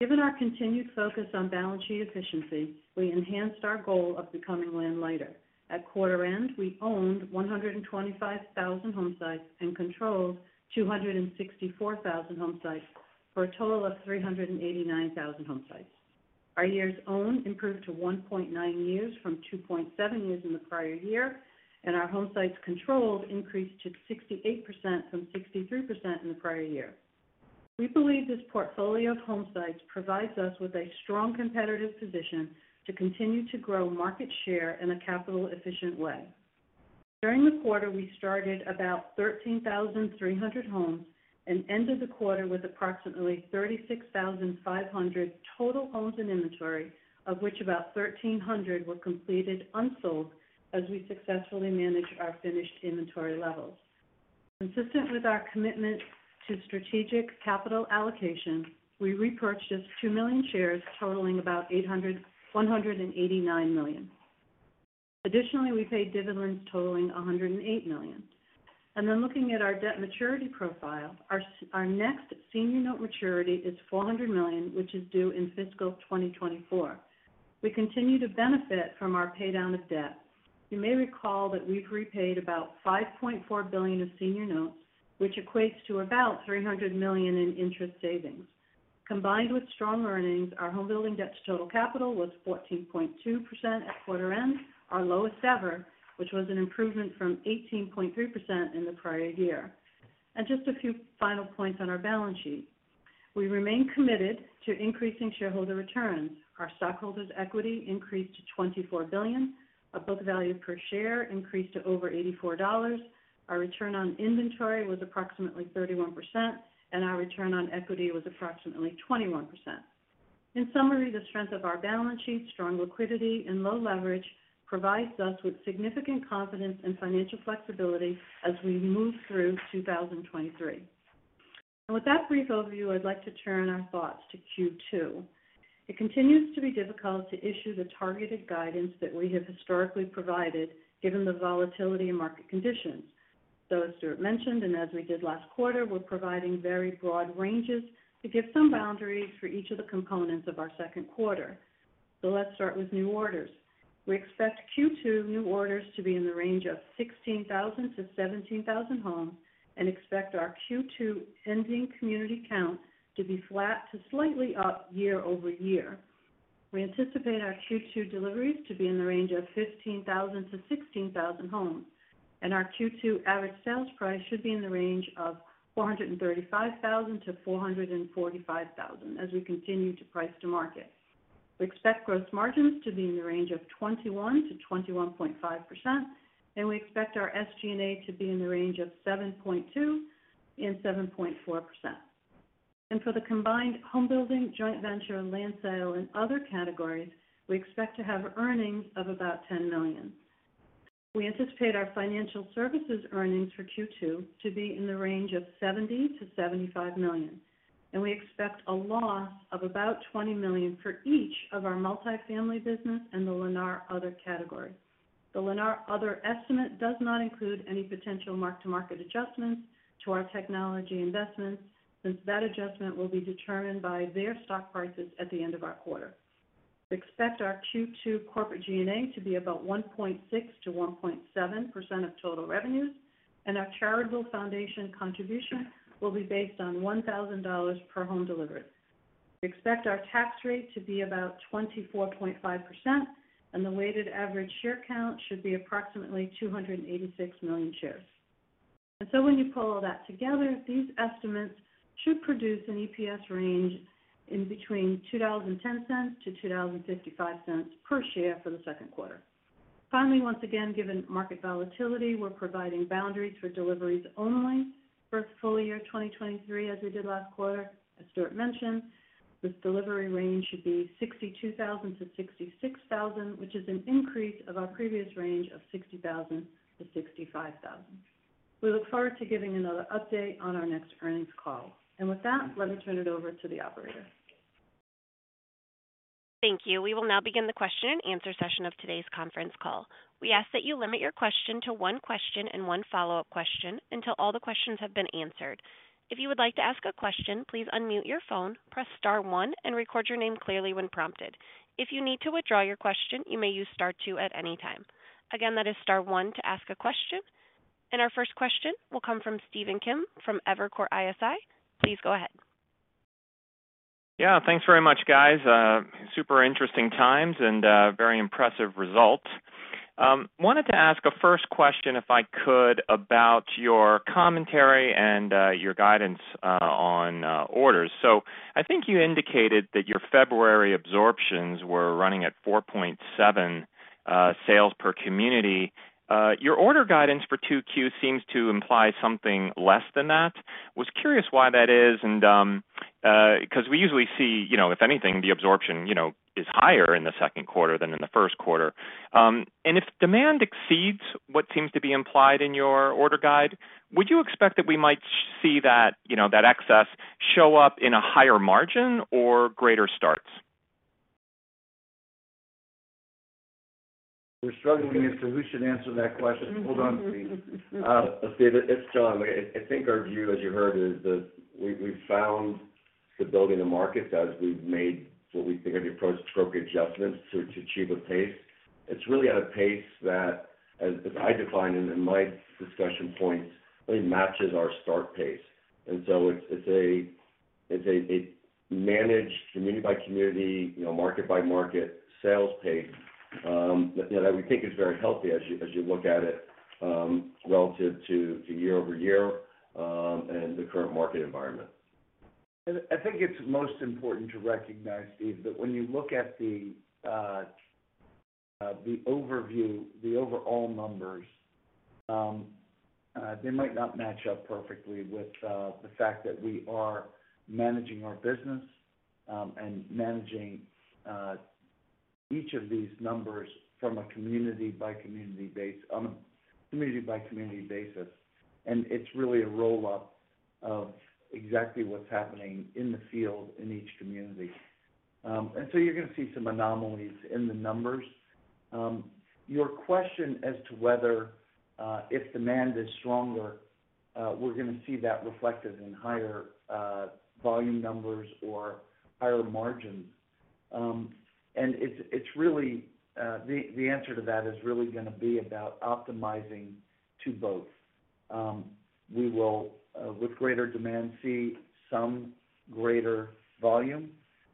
Given our continued focus on balance sheet efficiency, we enhanced our goal of becoming land lighter. At quarter end, we owned 125,000 homesites and controlled 264,000 homesites, for a total of 389,000 homesites. Our years owned improved to 1.9 years from 2.7 years in the prior year. Our homesites controlled increased to 68% from 63% in the prior year. We believe this portfolio of homesites provides us with a strong competitive position to continue to grow market share in a capital-efficient way. During the quarter, we started about 13,300 homes and ended the quarter with approximately 36,500 total homes in inventory, of which about 1,300 were completed unsold as we successfully managed our finished inventory levels. Consistent with our commitment to strategic capital allocation, we repurchased 2 million shares totaling about $189 million. Additionally, we paid dividends totaling $108 million. Looking at our debt maturity profile, our next senior note maturity is $400 million, which is due in fiscal 2024. We continue to benefit from our pay-down of debt. You may recall that we've repaid about $5.4 billion of senior notes, which equates to about $300 million in interest savings. Combined with strong earnings, our Homebuilding debt to total capital was 14.2% at quarter end, our lowest ever, which was an improvement from 18.3% in the prior year. Just a few final points on our balance sheet. We remain committed to increasing shareholder returns. Our stockholders' equity increased to $24 billion. Our book value per share increased to over $84. Our return on inventory was approximately 31%, and our return on equity was approximately 21%. In summary, the strength of our balance sheet, strong liquidity and low leverage provides us with significant confidence and financial flexibility as we move through 2023. With that brief overview, I'd like to turn our thoughts to Q2. It continues to be difficult to issue the targeted guidance that we have historically provided given the volatility in market conditions. As Stuart mentioned, and as we did last quarter, we're providing very broad ranges to give some boundaries for each of the components of our second quarter. Let's start with new orders. We expect Q2 new orders to be in the range of 16,000 homes-17,000 homes and expect our Q2 ending community count to be flat to slightly up year-over-year. We anticipate our Q2 deliveries to be in the range of 15,000 homes-16,000 homes, and our Q2 average sales price should be in the range of $435,000-$445,000 as we continue to price to market. We expect gross margins to be in the range of 21%-21.5%, and we expect our SG&A to be in the range of 7.2%-7.4%. For the combined Homebuilding, joint venture, and land sale and other categories, we expect to have earnings of about $10 million. We anticipate our Financial Services earnings for Q2 to be in the range of $70 million-$75 million. We expect a loss of about $20 million for each of our Multifamily business and the Lennar Other category. The Lennar Other estimate does not include any potential mark-to-market adjustments to our technology investments, since that adjustment will be determined by their stock prices at the end of our quarter. We expect our Q2 corporate G&A to be about 1.6%-1.7% of total revenues, and our charitable foundation contribution will be based on $1,000 per home delivered. We expect our tax rate to be about 24.5%, and the weighted average share count should be approximately 286 million shares. When you pull all that together, these estimates should produce an EPS range in between $2.10-$2.55 per share for the second quarter. Finally, once again, given market volatility, we're providing boundaries for deliveries only for full year 2023, as we did last quarter. As Stuart mentioned, this delivery range should be 62,000 homes-66,000 homes, which is an increase of our previous range of 60,000 homes-65,000 homes. We look forward to giving another update on our next earnings call. With that, let me turn it over to the operator. Thank you. We will now begin the question-and-answer session of today's conference call. We ask that you limit your question to one question and one follow-up question until all the questions have been answered. If you would like to ask a question, please unmute your phone, press star one and record your name clearly when prompted. If you need to withdraw your question, you may use star two at any time. Again, that is star one to ask a question. Our first question will come from Stephen Kim from Evercore ISI. Please go ahead. Yeah. Thanks very much, guys. Super interesting times and very impressive results. Wanted to ask a first question, if I could, about your commentary and your guidance on orders. I think you indicated that your February absorptions were running at 4.7 sales per community. Your order guidance for Q2 seems to imply something less than that. Was curious why that is and because we usually see, you know, if anything, the absorption, you know, is higher in the second quarter than in the first quarter. If demand exceeds what seems to be implied in your order guide, would you expect that we might see that, you know, that excess show up in a higher margin or greater starts? We're struggling as to who should answer that question. Hold on, please. Stephen, it's Jon. I think our view, as you heard, is that we've found the building and markets as we've made what we think are the appropriate adjustments to achieve a pace. It's really at a pace that, as I define it in my discussion points, really matches our start pace. It's a managed community by community, you know, market by market sales pace, that, you know, that we think is very healthy as you, as you look at it, relative to year-over-year, and the current market environment. I think it's most important to recognize, Steve, that when you look at the overview, the overall numbers, they might not match up perfectly with the fact that we are managing our business and managing each of these numbers on a community by community basis. It's really a roll-up of exactly what's happening in the field in each community. You're going to see some anomalies in the numbers. Your question as to whether if demand is stronger, we're gonna see that reflected in higher volume numbers or higher margins. The answer to that is really gonna be about optimizing to both. We will, with greater demand, see some greater volume,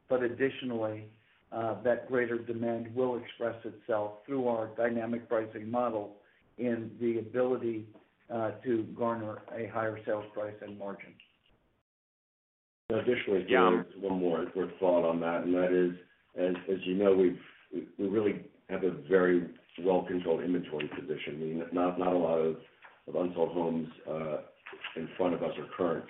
but additionally, that greater demand will express itself through our dynamic pricing model and the ability, to garner a higher sales price and margin. Yeah. Additionally, Steve, one more quick thought on that, and that is, as you know, we really have a very well-controlled inventory position, meaning not a lot of unsold homes in front of us are current.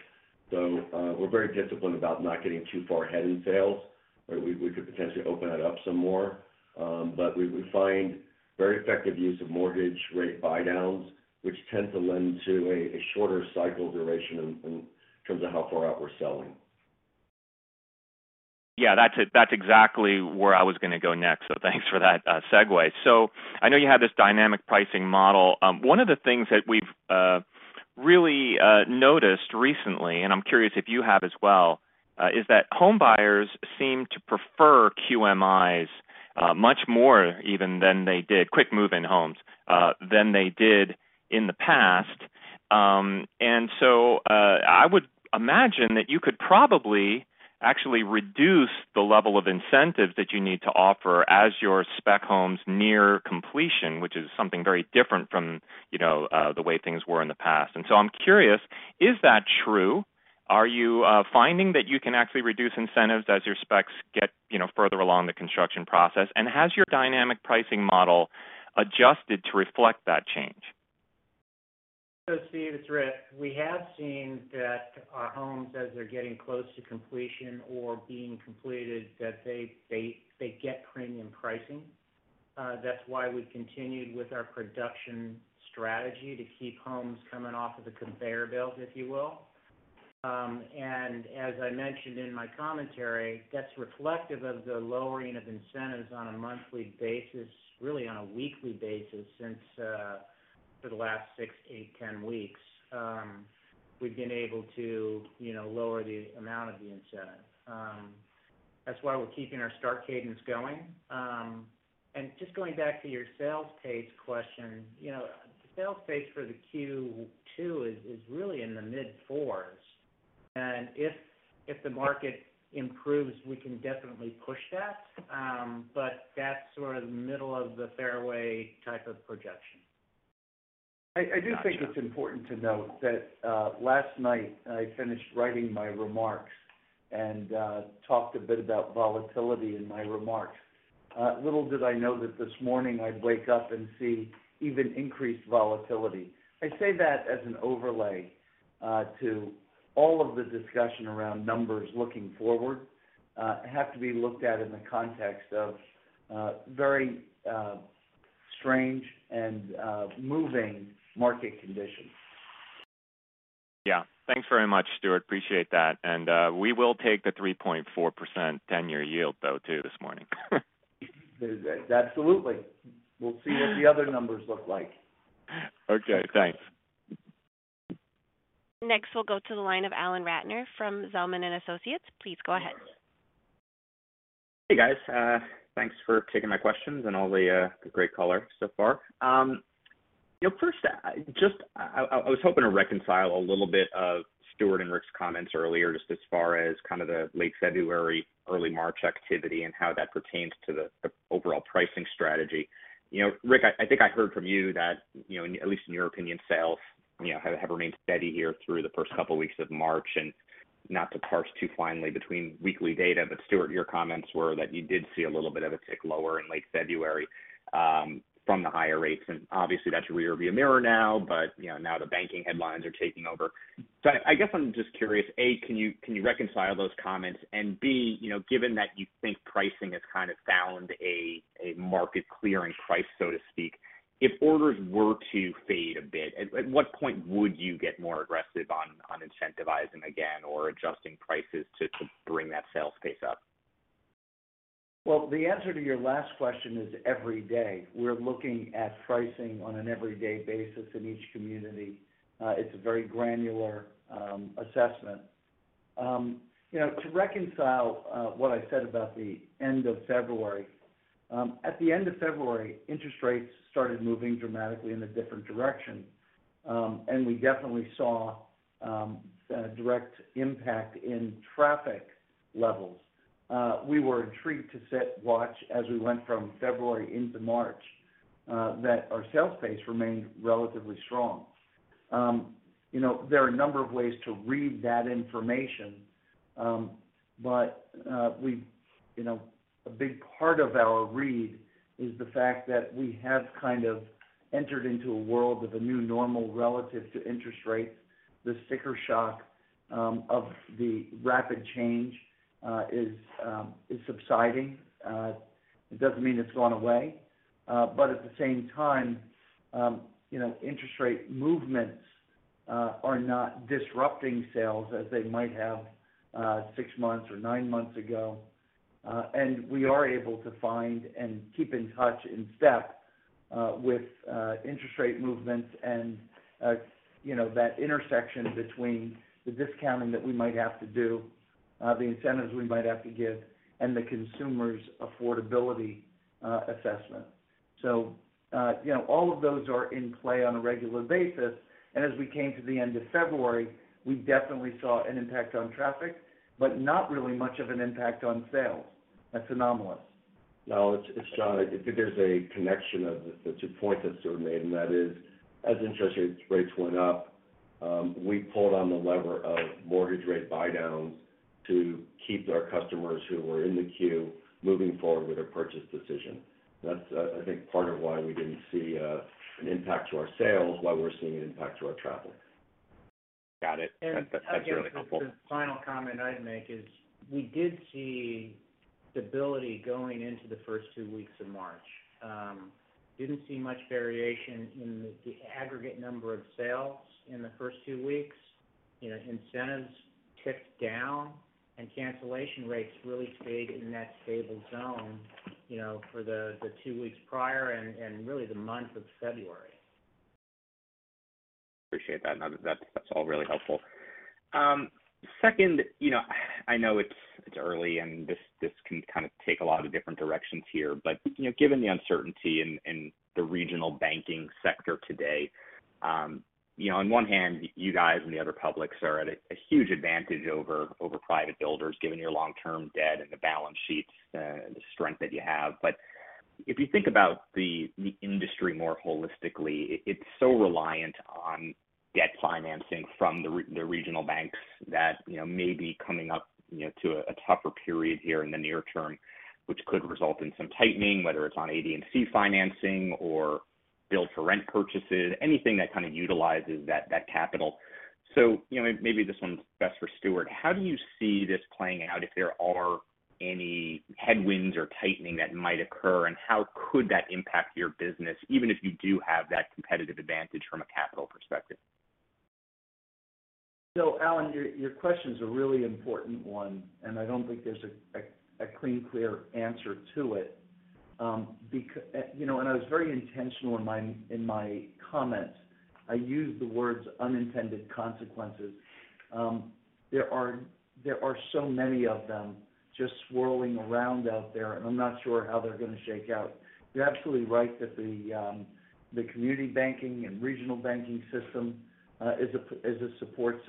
We're very disciplined about not getting too far ahead in sales, but we could potentially open that up some more. We find very effective use of mortgage rate buydowns, which tend to lend to a shorter cycle duration in terms of how far out we're selling. Yeah, that's exactly where I was gonna go next. Thanks for that segue. I know you have this dynamic pricing model. One of the things that we've really noticed recently, and I'm curious if you have as well, is that home buyers seem to prefer QMIs much more even than they did Quick Move-In homes than they did in the past. I would imagine that you could probably actually reduce the level of incentive that you need to offer as your spec homes near completion, which is something very different from, you know, the way things were in the past. I'm curious, is that true? Are you finding that you can actually reduce incentives as your specs get, you know, further along the construction process? Has your dynamic pricing model adjusted to reflect that change? Steve, it's Rick. We have seen that our homes, as they're getting close to completion or being completed, that they get premium pricing. That's why we continued with our production strategy to keep homes coming off of the conveyor belt, if you will. As I mentioned in my commentary, that's reflective of the lowering of incentives on a monthly basis, really on a weekly basis since, for the last six, eight, 10 weeks. We've been able to, you know, lower the amount of the incentive. That's why we're keeping our start cadence going. Just going back to your sales pace question, you know, the sales pace for the Q2 is really in the mid-4s. If the market improves, we can definitely push that. That's sort of the middle of the fairway type of projection. I do think it's important to note that last night I finished writing my remarks and talked a bit about volatility in my remarks. Little did I know that this morning I'd wake up and see even increased volatility. I say that as an overlay to all of the discussion around numbers looking forward have to be looked at in the context of very strange and moving market conditions. Yeah. Thanks very much, Stuart. Appreciate that. We will take the 3.4% 10-year yield though, too, this morning. Absolutely. We'll see what the other numbers look like. Okay. Thanks. We'll go to the line of Alan Ratner from Zelman & Associates. Please go ahead. Hey, guys. Thanks for taking my questions and all the great color so far. You know, first, just I was hoping to reconcile a little bit of Stuart and Rick's comments earlier, just as far as kind of the late February, early March activity and how that pertains to the overall pricing strategy. You know, Rick, I think I heard from you that, you know, in, at least in your opinion, sales, you know, have remained steady here through the first couple of weeks of March. Not to parse too finely between weekly data, but Stuart, your comments were that you did see a little bit of a tick lower in late February, from the higher rates, and obviously that's your rear view mirror now, but, you know, now the banking headlines are taking over. I guess I'm just curious, A, can you reconcile those comments? B, you know, given that you think pricing has kind of found a market clearing price, so to speak, if orders were to fade a bit, at what point would you get more aggressive on incentivizing again or adjusting prices to bring that sales pace up? Well, the answer to your last question is every day. We're looking at pricing on an everyday basis in each community. It's a very granular assessment. You know, to reconcile what I said about the end of February. At the end of February, interest rates started moving dramatically in a different direction. We definitely saw a direct impact in traffic levels. We were intrigued to sit, watch as we went from February into March, that our sales pace remained relatively strong. You know, there are a number of ways to read that information. We, you know, a big part of our read is the fact that we have kind of entered into a world of a new normal relative to interest rates. The sticker shock of the rapid change is subsiding. It doesn't mean it's gone away. At the same time, you know, interest rate movements are not disrupting sales as they might have six months or nine months ago. We are able to find and keep in touch in step with interest rate movements and, you know, that intersection between the discounting that we might have to do, the incentives we might have to give, and the consumer's affordability assessment. You know, all of those are in play on a regular basis. As we came to the end of February, we definitely saw an impact on traffic, but not really much of an impact on sales. That's anomalous. No, it's Jon. I think there's a connection of the, to the point that Stuart made, and that is, as interest rates went up, we pulled on the lever of mortgage rate buydowns to keep our customers who were in the queue moving forward with their purchase decision. That's, I think, part of why we didn't see an impact to our sales while we're seeing an impact to our traffic. Got it. That's really helpful. Again, the final comment I'd make is we did see stability going into the first two weeks of March. Didn't see much variation in the aggregate number of sales in the first two weeks. You know, incentives ticked down, and cancellation rates really stayed in that stable zone, you know, for the two weeks prior and really the month of February. Appreciate that. No, that's all really helpful. Second, you know, I know it's early, and this can kind of take a lot of different directions here. You know, given the uncertainty in the regional banking sector today, you know, on one hand, you guys and the other publics are at a huge advantage over private builders given your long-term debt and the balance sheets, the strength that you have. If you think about the industry more holistically, it's so reliant on debt financing from the regional banks that, you know, may be coming up, you know, to a tougher period here in the near term, which could result in some tightening, whether it's on ADC financing or build to rent purchases, anything that kind of utilizes that capital. You know, maybe this one's best for Stuart. How do you see this playing out if there are any headwinds or tightening that might occur, and how could that impact your business, even if you do have that competitive advantage from a capital perspective? Alan, your question is a really important one, and I don't think there's a clean, clear answer to it. You know, and I was very intentional in my comment. I used the words unintended consequences. There are so many of them just swirling around out there, and I'm not sure how they're going to shake out. You're absolutely right that the community banking and regional banking system is a support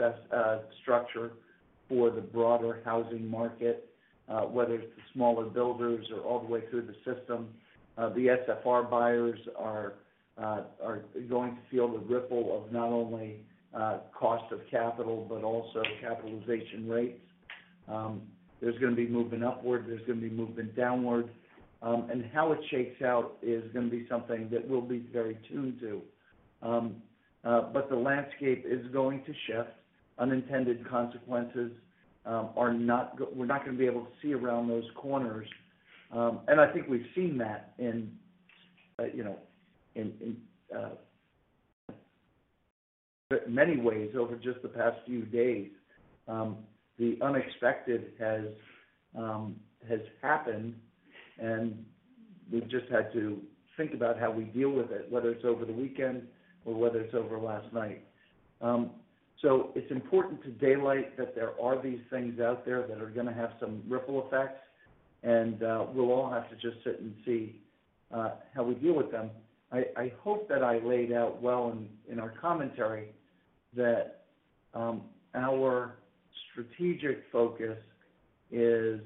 structure for the broader housing market, whether it's the smaller builders or all the way through the system. The SFR buyers are going to feel the ripple of not only cost of capital, but also capitalization rates. There's going to be movement upward, there's going to be movement downward. How it shakes out is going to be something that we'll be very tuned to. The landscape is going to shift. Unintended consequences we're not going to be able to see around those corners. I think we've seen that in, you know, in many ways over just the past few days. The unexpected has happened, and we've just had to think about how we deal with it, whether it's over the weekend or whether it's over last night. It's important to daylight that there are these things out there that are going to have some ripple effects, and we'll all have to just sit and see how we deal with them. I hope that I laid out well in our commentary that our strategic focus is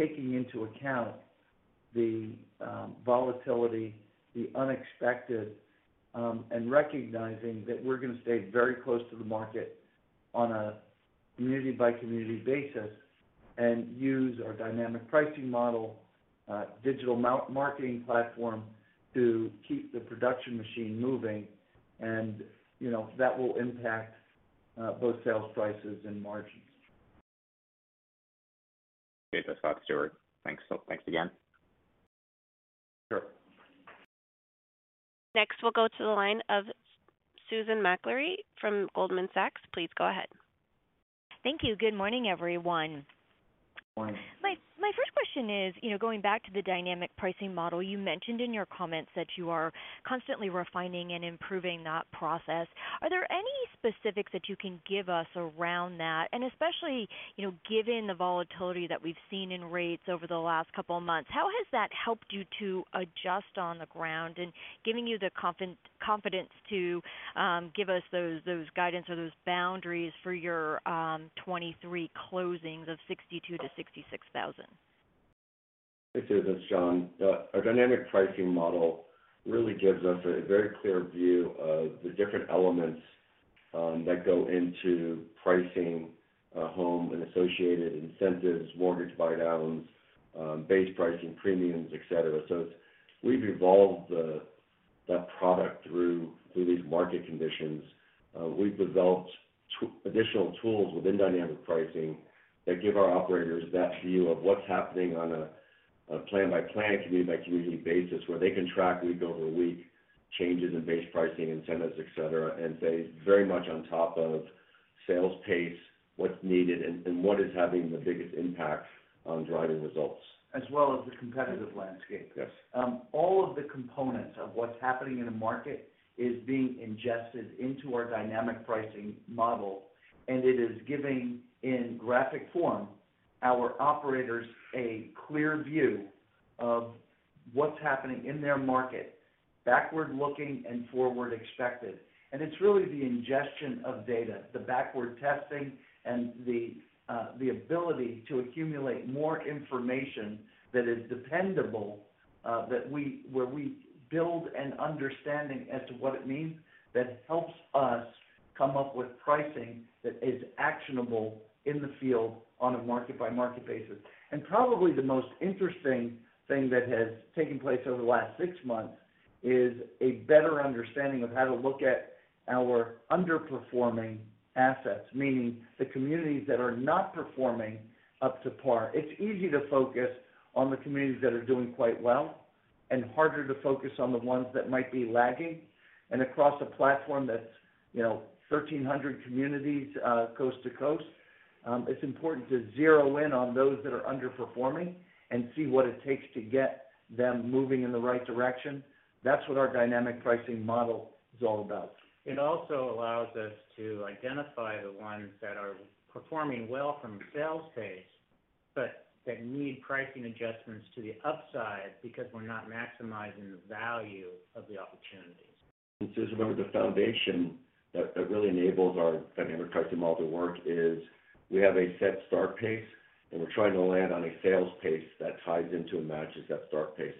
taking into account the volatility, the unexpected, and recognizing that we're going to stay very close to the market on a community-by-community basis and use our dynamic pricing model, digital marketing platform to keep the production machine moving, and, you know, that will impact both sales prices and margins. Okay. That's all, Stuart. Thanks. Thanks again. Sure. Next, we'll go to the line of Susan Maklari from Goldman Sachs. Please go ahead. Thank you. Good morning, everyone. Morning. My first question is, you know, going back to the dynamic pricing model, you mentioned in your comments that you are constantly refining and improving that process. Are there any specifics that you can give us around that? Especially, you know, given the volatility that we've seen in rates over the last couple of months, how has that helped you to adjust on the ground and giving you the confidence to give us those guidance or those boundaries for your 2023 closings of 62,000-66,000? Hey, Susan, it's Jon. Our dynamic pricing model really gives us a very clear view of the different elements that go into pricing a home and associated incentives, mortgage buydowns, base pricing premiums, et cetera. We've evolved the, that product through these market conditions. We've developed additional tools within dynamic pricing that give our operators that view of what's happening on a plan-by-plan, community-by-community basis, where they can track week over week changes in base pricing, incentives, et cetera, and stay very much on top of sales pace, what's needed, and what is having the biggest impact on driving results. As well as the competitive landscape. Yes. All of the components of what's happening in the market is being ingested into our dynamic pricing model. It is giving, in graphic form, our operators a clear view of what's happening in their market, backward-looking and forward-expected. It's really the ingestion of data, the backward testing and the ability to accumulate more information that is dependable, where we build an understanding as to what it means that helps us come up with pricing that is actionable in the field on a market-by-market basis. Probably the most interesting thing that has taken place over the last six months is a better understanding of how to look at our underperforming assets, meaning the communities that are not performing up to par. It's easy to focus on the communities that are doing quite well and harder to focus on the ones that might be lagging. Across a platform that's, you know, 1,300 communities, coast to coast, it's important to zero in on those that are underperforming and see what it takes to get them moving in the right direction. That's what our dynamic pricing model is all about. It also allows us to identify the ones that are performing well from a sales pace, but that need pricing adjustments to the upside because we're not maximizing the value of the opportunities. Susan, remember the foundation that really enables our dynamic pricing model to work is we have a set start pace, and we're trying to land on a sales pace that ties into and matches that start pace.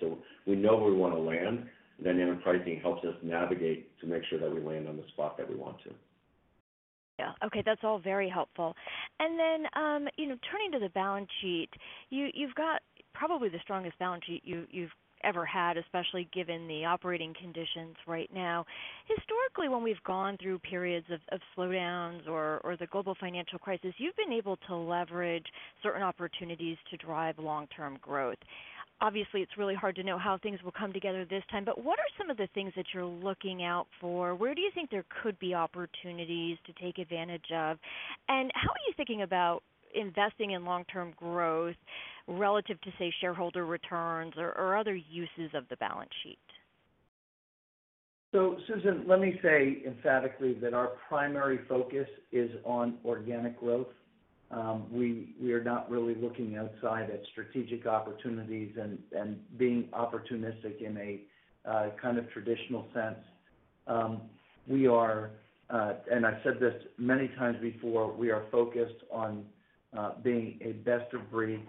We know where we want to land, then dynamic pricing helps us navigate to make sure that we land on the spot that we want to. Yeah. Okay, that's all very helpful. You know, turning to the balance sheet, you've got probably the strongest balance sheet you've ever had, especially given the operating conditions right now. Historically, when we've gone through periods of slowdowns or the global financial crisis, you've been able to leverage certain opportunities to drive long-term growth. Obviously, it's really hard to know how things will come together this time, but what are some of the things that you're looking out for? Where do you think there could be opportunities to take advantage of? How are you thinking about investing in long-term growth relative to, say, shareholder returns or other uses of the balance sheet? Susan, let me say emphatically that our primary focus is on organic growth. We are not really looking outside at strategic opportunities and being opportunistic in a kind of traditional sense. We are, and I've said this many times before, we are focused on being a best-of-breed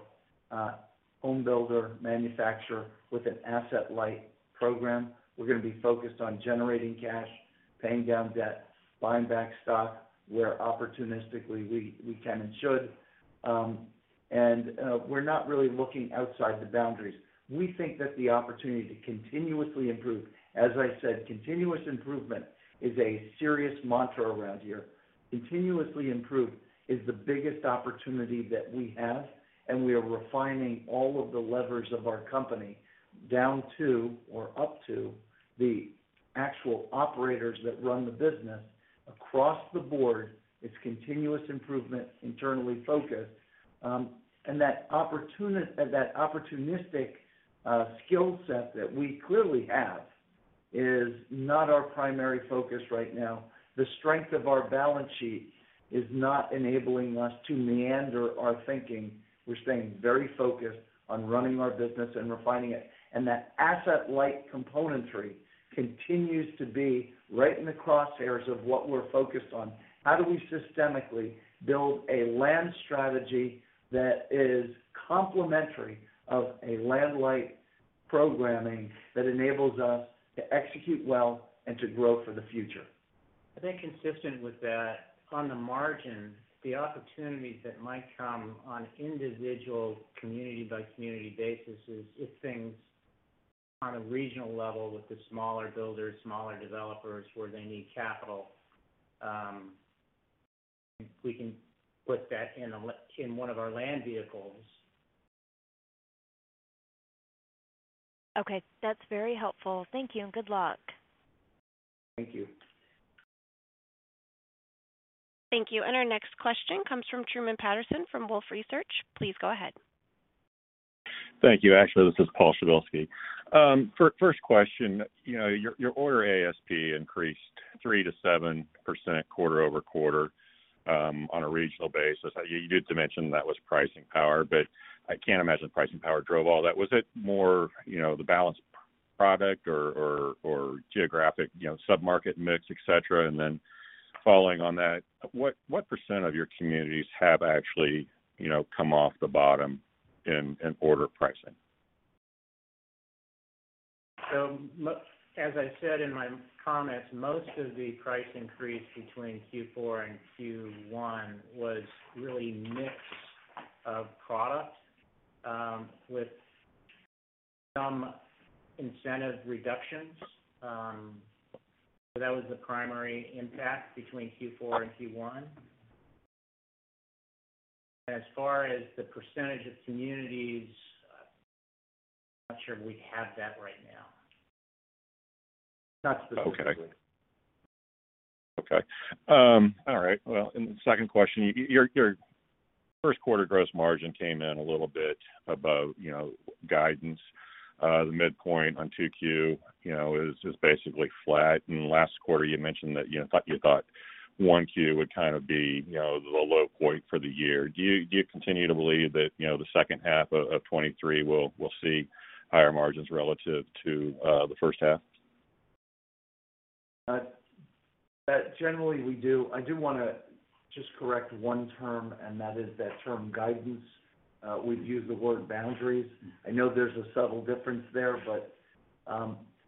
home builder manufacturer with an asset-light program. We're gonna be focused on generating cash, paying down debt, buying back stock where opportunistically we can and should. We're not really looking outside the boundaries. We think that the opportunity to continuously improve. As I said, continuous improvement is a serious mantra around here. Continuously improve is the biggest opportunity that we have, and we are refining all of the levers of our company down to or up to the actual operators that run the business across the board. It's continuous improvement, internally focused. That opportunistic skill set that we clearly have is not our primary focus right now. The strength of our balance sheet is not enabling us to meander our thinking. We're staying very focused on running our business and refining it. That asset-light componentry continues to be right in the crosshairs of what we're focused on. How do we systemically build a land strategy that is complementary of a land-light programming that enables us to execute well and to grow for the future? I think consistent with that, on the margin, the opportunities that might come on individual community-by-community basis is if things on a regional level with the smaller builders, smaller developers, where they need capital, we can put that in one of our land vehicles. Okay, that's very helpful. Thank you. Good luck. Thank you. Thank you. Our next question comes from Truman Patterson from Wolfe Research. Please go ahead. Thank you. Actually, this is Paul Przybylski. For first question, you know, your order ASP increased 3%-7% quarter-over-quarter on a regional basis. You did dimension that was pricing power, but I can't imagine pricing power drove all that. Was it more, you know, the balanced product or geographic, you know, sub-market mix, et cetera? Then following on that, what % of your communities have actually, you know, come off the bottom in order pricing? As I said in my comments, most of the price increase between Q4 and Q1 was really mix of products, with some incentive reductions. That was the primary impact between Q4 and Q1. As far as the percentage of communities, I'm not sure we have that right now. That's the. Okay. Okay. All right. The second question, your first quarter gross margin came in a little bit above, you know, guidance. The midpoint on Q2, you know, is basically flat. In the last quarter, you mentioned that you thought Q1 would kind of be, you know, the low point for the year. Do you continue to believe that, you know, the second half of 2023 will see higher margins relative to the first half? That generally we do. I do wanna just correct one term, and that is that term guidance. We've used the word boundaries. I know there's a subtle difference there, but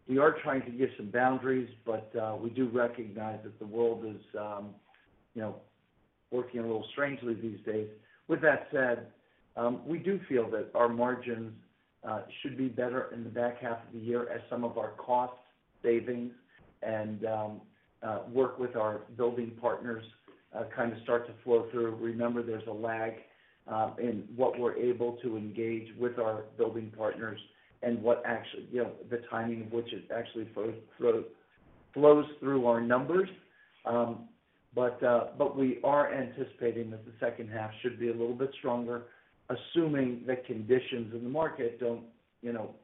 we are trying to give some boundaries, but we do recognize that the world is, you know, working a little strangely these days. With that said, we do feel that our margins should be better in the back half of the year as some of our cost savings and work with our building partners kind of start to flow through. Remember, there's a lag in what we're able to engage with our building partners and what actually, you know, the timing of which it actually flows through our numbers. We are anticipating that the second half should be a little bit stronger, assuming the conditions in the market don't, you know,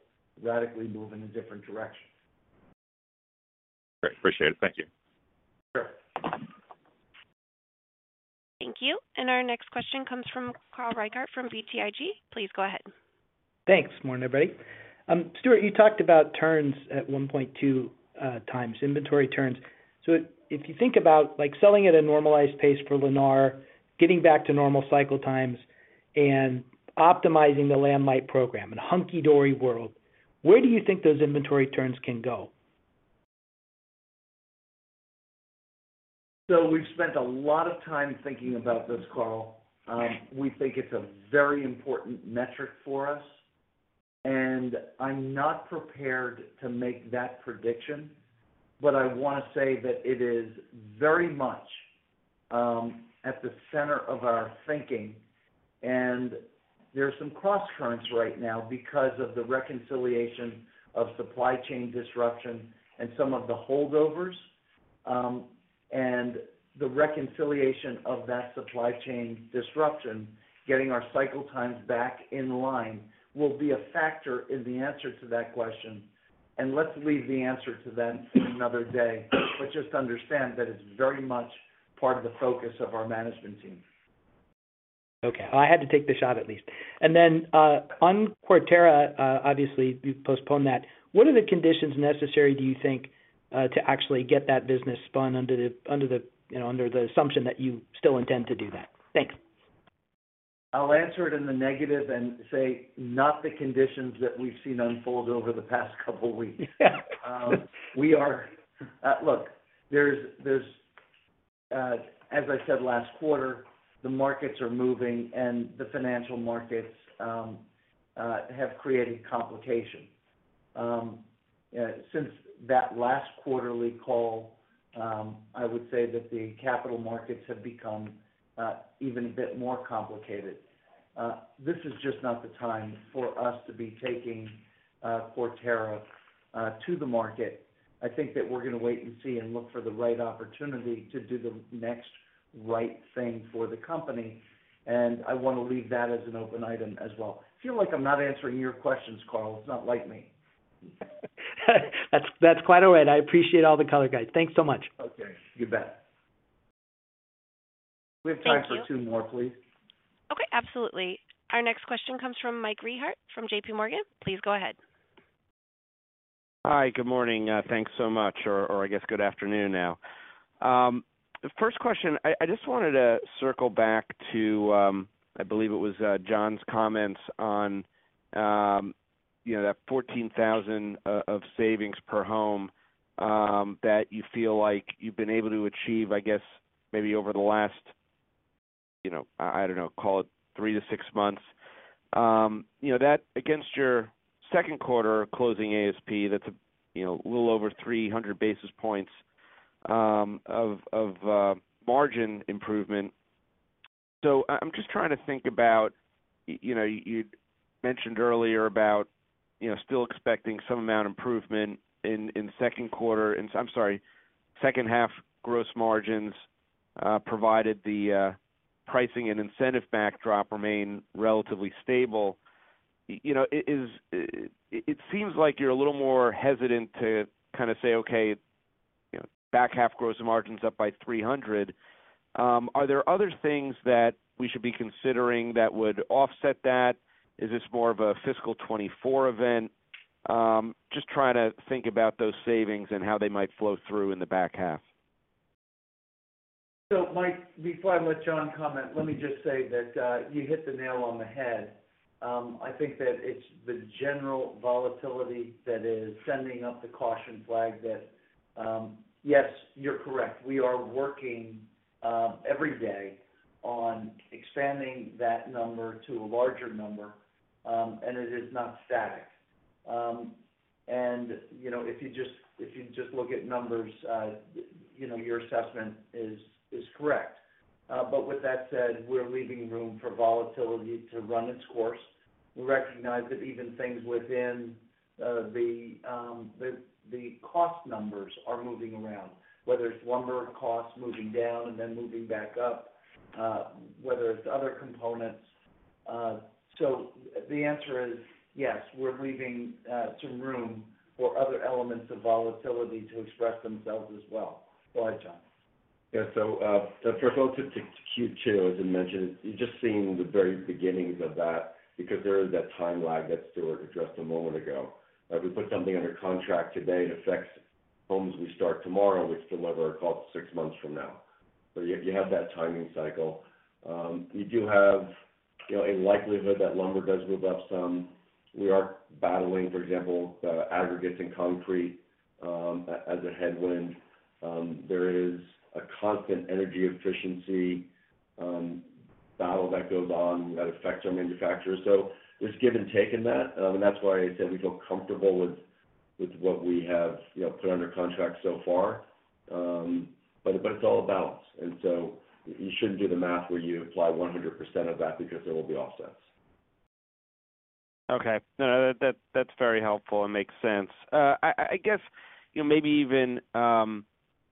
radically move in a different direction. Great. Appreciate it. Thank you. Sure. Thank you. Our next question comes from Carl Reichardt from BTIG. Please go ahead. Thanks. Morning, everybody. Stuart, you talked about turns at 1.2x inventory turns. If you think about, like, selling at a normalized pace for Lennar, getting back to normal cycle times and optimizing the land-light program in a hunky dory world, where do you think those inventory turns can go? We've spent a lot of time thinking about this, Carl. We think it's a very important metric for us, and I'm not prepared to make that prediction. I want to say that it is very much at the center of our thinking, and there are some crosscurrents right now because of the reconciliation of supply chain disruption and some of the holdovers, and the reconciliation of that supply chain disruption. Getting our cycle times back in line will be a factor in the answer to that question, and let's leave the answer to that for another day. Just understand that it's very much part of the focus of our management team. Okay. I had to take the shot at least. On Quarterra, obviously you postponed that. What are the conditions necessary, do you think, to actually get that business spun under the, you know, under the assumption that you still intend to do that? Thanks. I'll answer it in the negative and say, not the conditions that we've seen unfold over the past couple weeks. We are... Look, there's, as I said last quarter, the markets are moving and the financial markets have created complications. Since that last quarterly call, I would say that the capital markets have become even a bit more complicated. This is just not the time for us to be taking Quarterra to the market. I think that we're gonna wait and see and look for the right opportunity to do the next right thing for the company. I wanna leave that as an open item as well. I feel like I'm not answering your questions, Carl. It's not like me. That's quite all right. I appreciate all the color guide. Thanks so much. Okay. You bet. Thank you. We have time for two more, please. Okay. Absolutely. Our next question comes from Mike Rehaut from JPMorgan. Please go ahead. Hi. Good morning. Thanks so much. Or, I guess good afternoon now. First question, I just wanted to circle back to, I believe it was Jon's comments on, you know, that 14,000 of savings per home that you feel like you've been able to achieve, I guess maybe over the last, you know, I don't know, call it three-six months. You know, that against your second quarter closing ASP, that's a, you know, little over 300 basis points of margin improvement. I'm just trying to think about, you know, you'd mentioned earlier about, you know, still expecting some amount improvement in second quarter. I'm sorry, second half gross margins, provided the pricing and incentive backdrop remain relatively stable. You know, It seems like you're a little more hesitant to kind of say, "Okay, you know, back half gross margins up by 300 basis points." Are there other things that we should be considering that would offset that? Is this more of a fiscal 2024 event? Just trying to think about those savings and how they might flow through in the back half. Mike, before I let Jon comment, let me just say that you hit the nail on the head. I think that it's the general volatility that is sending up the caution flag that, yes, you're correct. We are working every day on expanding that number to a larger number, and it is not static. You know, if you just look at numbers, you know, your assessment is correct. With that said, we're leaving room for volatility to run its course. We recognize that even things within the cost numbers are moving around, whether it's lumber costs moving down and then moving back up, whether it's other components. The answer is yes, we're leaving some room for other elements of volatility to express themselves as well. Go ahead, Jon. For folks at Q2, as I mentioned, you're just seeing the very beginnings of that because there is that time lag that Stuart addressed a moment ago. If we put something under contract today, it affects homes we start tomorrow, which deliver, quote, six months from now. You have that timing cycle. You do have, you know, a likelihood that lumber does move up some. We are battling, for example, aggregates in concrete as a headwind. There is a constant energy efficiency battle that goes on that affects our manufacturers. There's give and take in that, and that's why I said we feel comfortable with what we have, you know, put under contract so far. It's all a balance, and so you shouldn't do the math where you apply 100% of that because there will be offsets. Okay. No, that's very helpful and makes sense. I guess, you know, maybe even,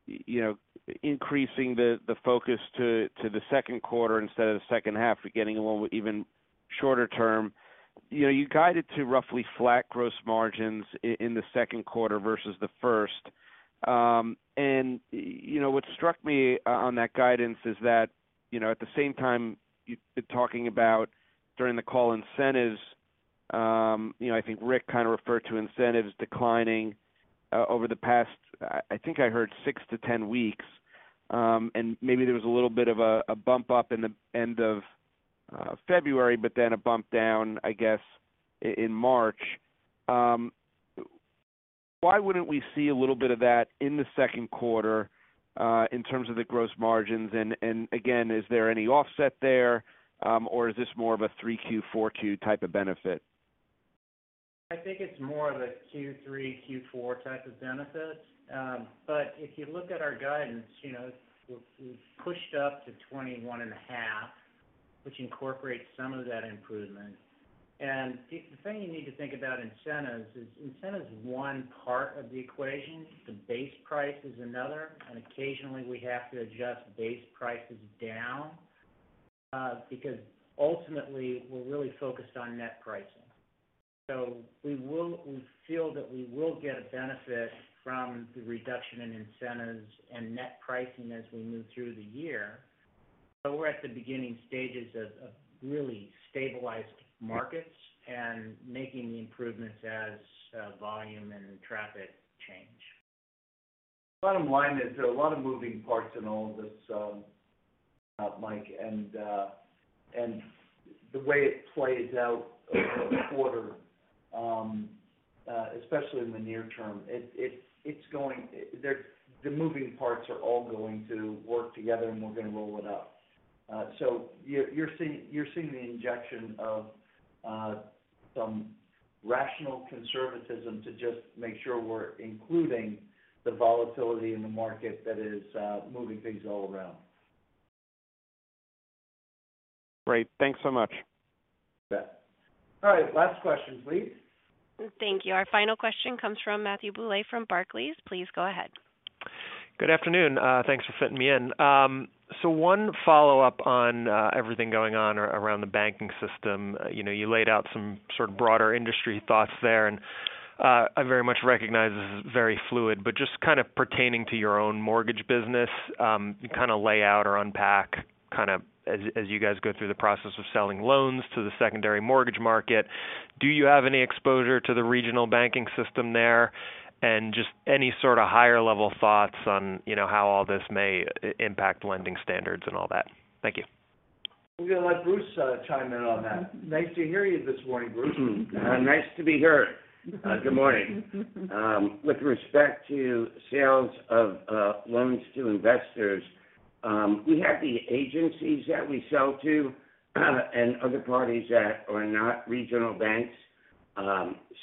you know, increasing the focus to the second quarter instead of the second half, we're getting along with even shorter term. You know, you guided to roughly flat gross margins in the second quarter versus the first. What struck me on that guidance is that, you know, at the same time you've been talking about during the call incentives, you know, I think Rick kind of referred to incentives declining over the past, I think I heard 6 weeks-10 weeks. Maybe there was a little bit of a bump up in the end of February, but then a bump down, I guess, in March. Why wouldn't we see a little bit of that in the second quarter, in terms of the gross margins? Again, is there any offset there, or is this more of a Q3, Q4 type of benefit? I think it's more of a Q3, Q4 type of benefit. If you look at our guidance, you know, we've pushed up to 21.5%, which incorporates some of that improvement. The, the thing you need to think about incentives is incentives is one part of the equation, the base price is another. Occasionally, we have to adjust base prices down because ultimately, we're really focused on net pricing. We feel that we will get a benefit from the reduction in incentives and net pricing as we move through the year. We're at the beginning stages of really stabilized markets and making the improvements as volume and traffic change. Bottom line is there are a lot of moving parts in all of this, Mike, and the way it plays out quarter, especially in the near term. The moving parts are all going to work together, and we're going to roll it up. You're seeing the injection of some rational conservatism to just make sure we're including the volatility in the market that is moving things all around. Great. Thanks so much. You bet. All right, last question, please. Thank you. Our final question comes from Matthew Bouley from Barclays. Please go ahead. Good afternoon. Thanks for fitting me in. One follow-up on everything going on around the banking system. You know, you laid out some sort of broader industry thoughts there, I very much recognize this is very fluid, but just kind of pertaining to your own mortgage business, kind of lay out or unpack kind of as you guys go through the process of selling loans to the secondary mortgage market. Do you have any exposure to the regional banking system there? Just any sort of higher level thoughts on, you know, how all this may impact lending standards and all that. Thank you. We're going to let Bruce, chime in on that. Nice to hear you this morning, Bruce. Nice to be heard. Good morning. With respect to sales of loans to investors, we have the agencies that we sell to, and other parties that are not regional banks.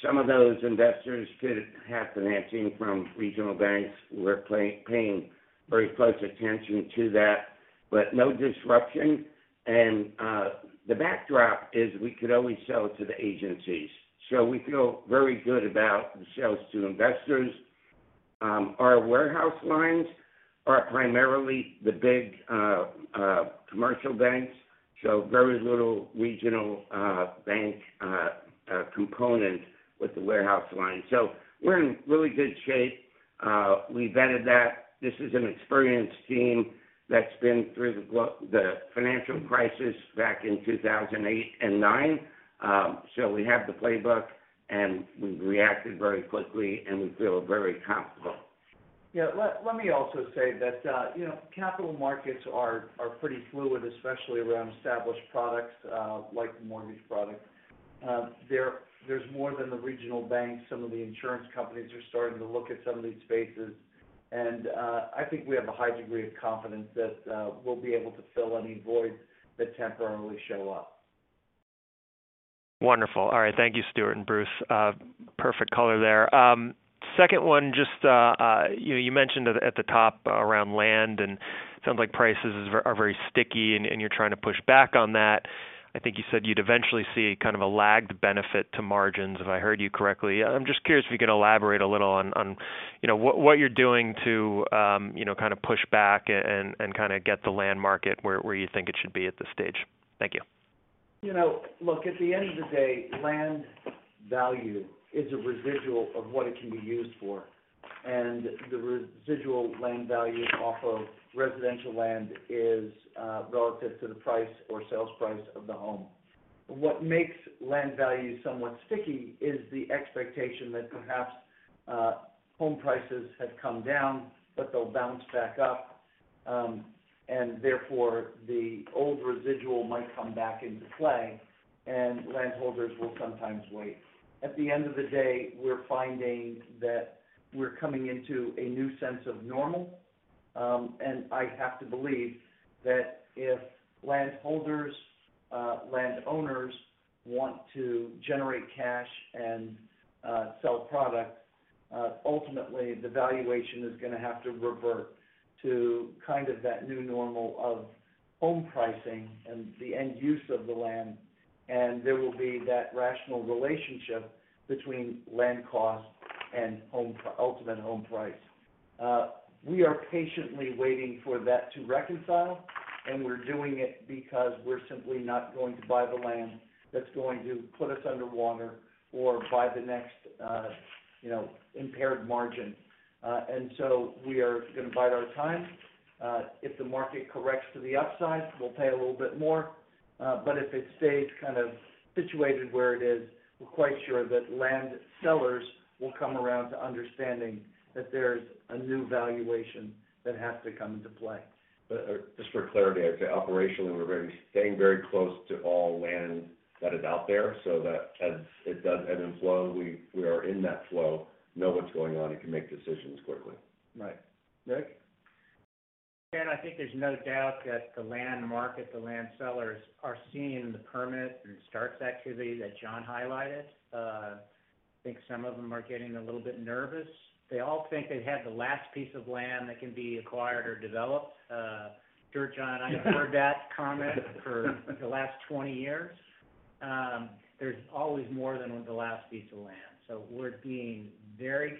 Some of those investors could have financing from regional banks. We're paying very close attention to that, but no disruption. The backdrop is we could always sell to the agencies. We feel very good about the sales to investors. Our warehouse lines are primarily the big commercial banks, so very little regional bank component with the warehouse line. We're in really good shape. We vetted that. This is an experienced team that's been through the financial crisis back in 2008 and 2009. We have the playbook, and we've reacted very quickly, and we feel very comfortable. Yeah. Let me also say that, you know, capital markets are pretty fluid, especially around established products, like the mortgage products. There's more than the regional banks. Some of the insurance companies are starting to look at some of these spaces. I think we have a high degree of confidence that we'll be able to fill any voids that temporarily show up. Wonderful. All right. Thank you, Stuart and Bruce. Perfect color there. Second one, just you mentioned at the top around land and sounds like prices are very sticky and you're trying to push back on that. I think you said you'd eventually see kind of a lagged benefit to margins, if I heard you correctly. I'm just curious if you can elaborate a little on, you know, what you're doing to, you know, kind of push back and kind of get the land market where you think it should be at this stage. Thank you. You know, look, at the end of the day, land value is a residual of what it can be used for. The residual land value off of residential land is relative to the price or sales price of the home. What makes land value somewhat sticky is the expectation that perhaps home prices have come down, but they'll bounce back up, therefore, the old residual might come back into play and landholders will sometimes wait. At the end of the day, we're finding that we're coming into a new sense of normal. I have to believe that if landholders, landowners want to generate cash and sell product, ultimately, the valuation is going to have to revert to kind of that new normal of home pricing and the end use of the land. There will be that rational relationship between land cost and home, ultimate home price. We are patiently waiting for that to reconcile, and we're doing it because we're simply not going to buy the land that's going to put us under water or buy the next, you know, impaired margin. We are gonna bide our time. If the market corrects to the upside, we'll pay a little bit more. If it stays kind of situated where it is, we're quite sure that land sellers will come around to understanding that there's a new valuation that has to come into play. Just for clarity, I'd say operationally, we're staying very close to all land that is out there so that as it does ebb and flow, we are in that flow, know what's going on, and can make decisions quickly. Right. Rick? And I think there's no doubt that the land market, the land sellers are seeing the permit and starts activity that Jon highlighted. Think some of them are getting a little bit nervous. They all think they have the last piece of land that can be acquired or developed. Sure, Jon, I have heard that comment for the last 20 years. There's always more than the last piece of land. We're being very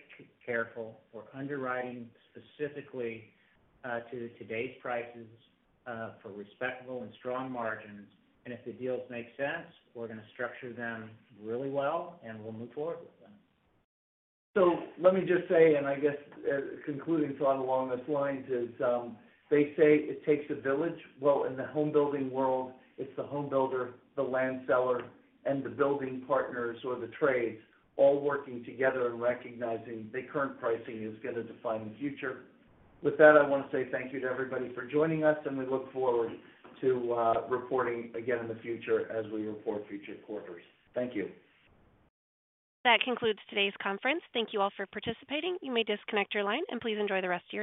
careful. We're underwriting specifically to today's prices for respectable and strong margins. If the deals make sense, we're gonna structure them really well, and we'll move forward with them. Let me just say, and I guess, concluding thought along those lines is, they say it takes a village. Well, in the home building world, it's the home builder, the land seller, and the building partners or the trades all working together and recognizing the current pricing is gonna define the future. With that, I wanna say thank you to everybody for joining us, and we look forward to reporting again in the future as we report future quarters. Thank you. That concludes today's conference. Thank you all for participating. You may disconnect your line, and please enjoy the rest of your day.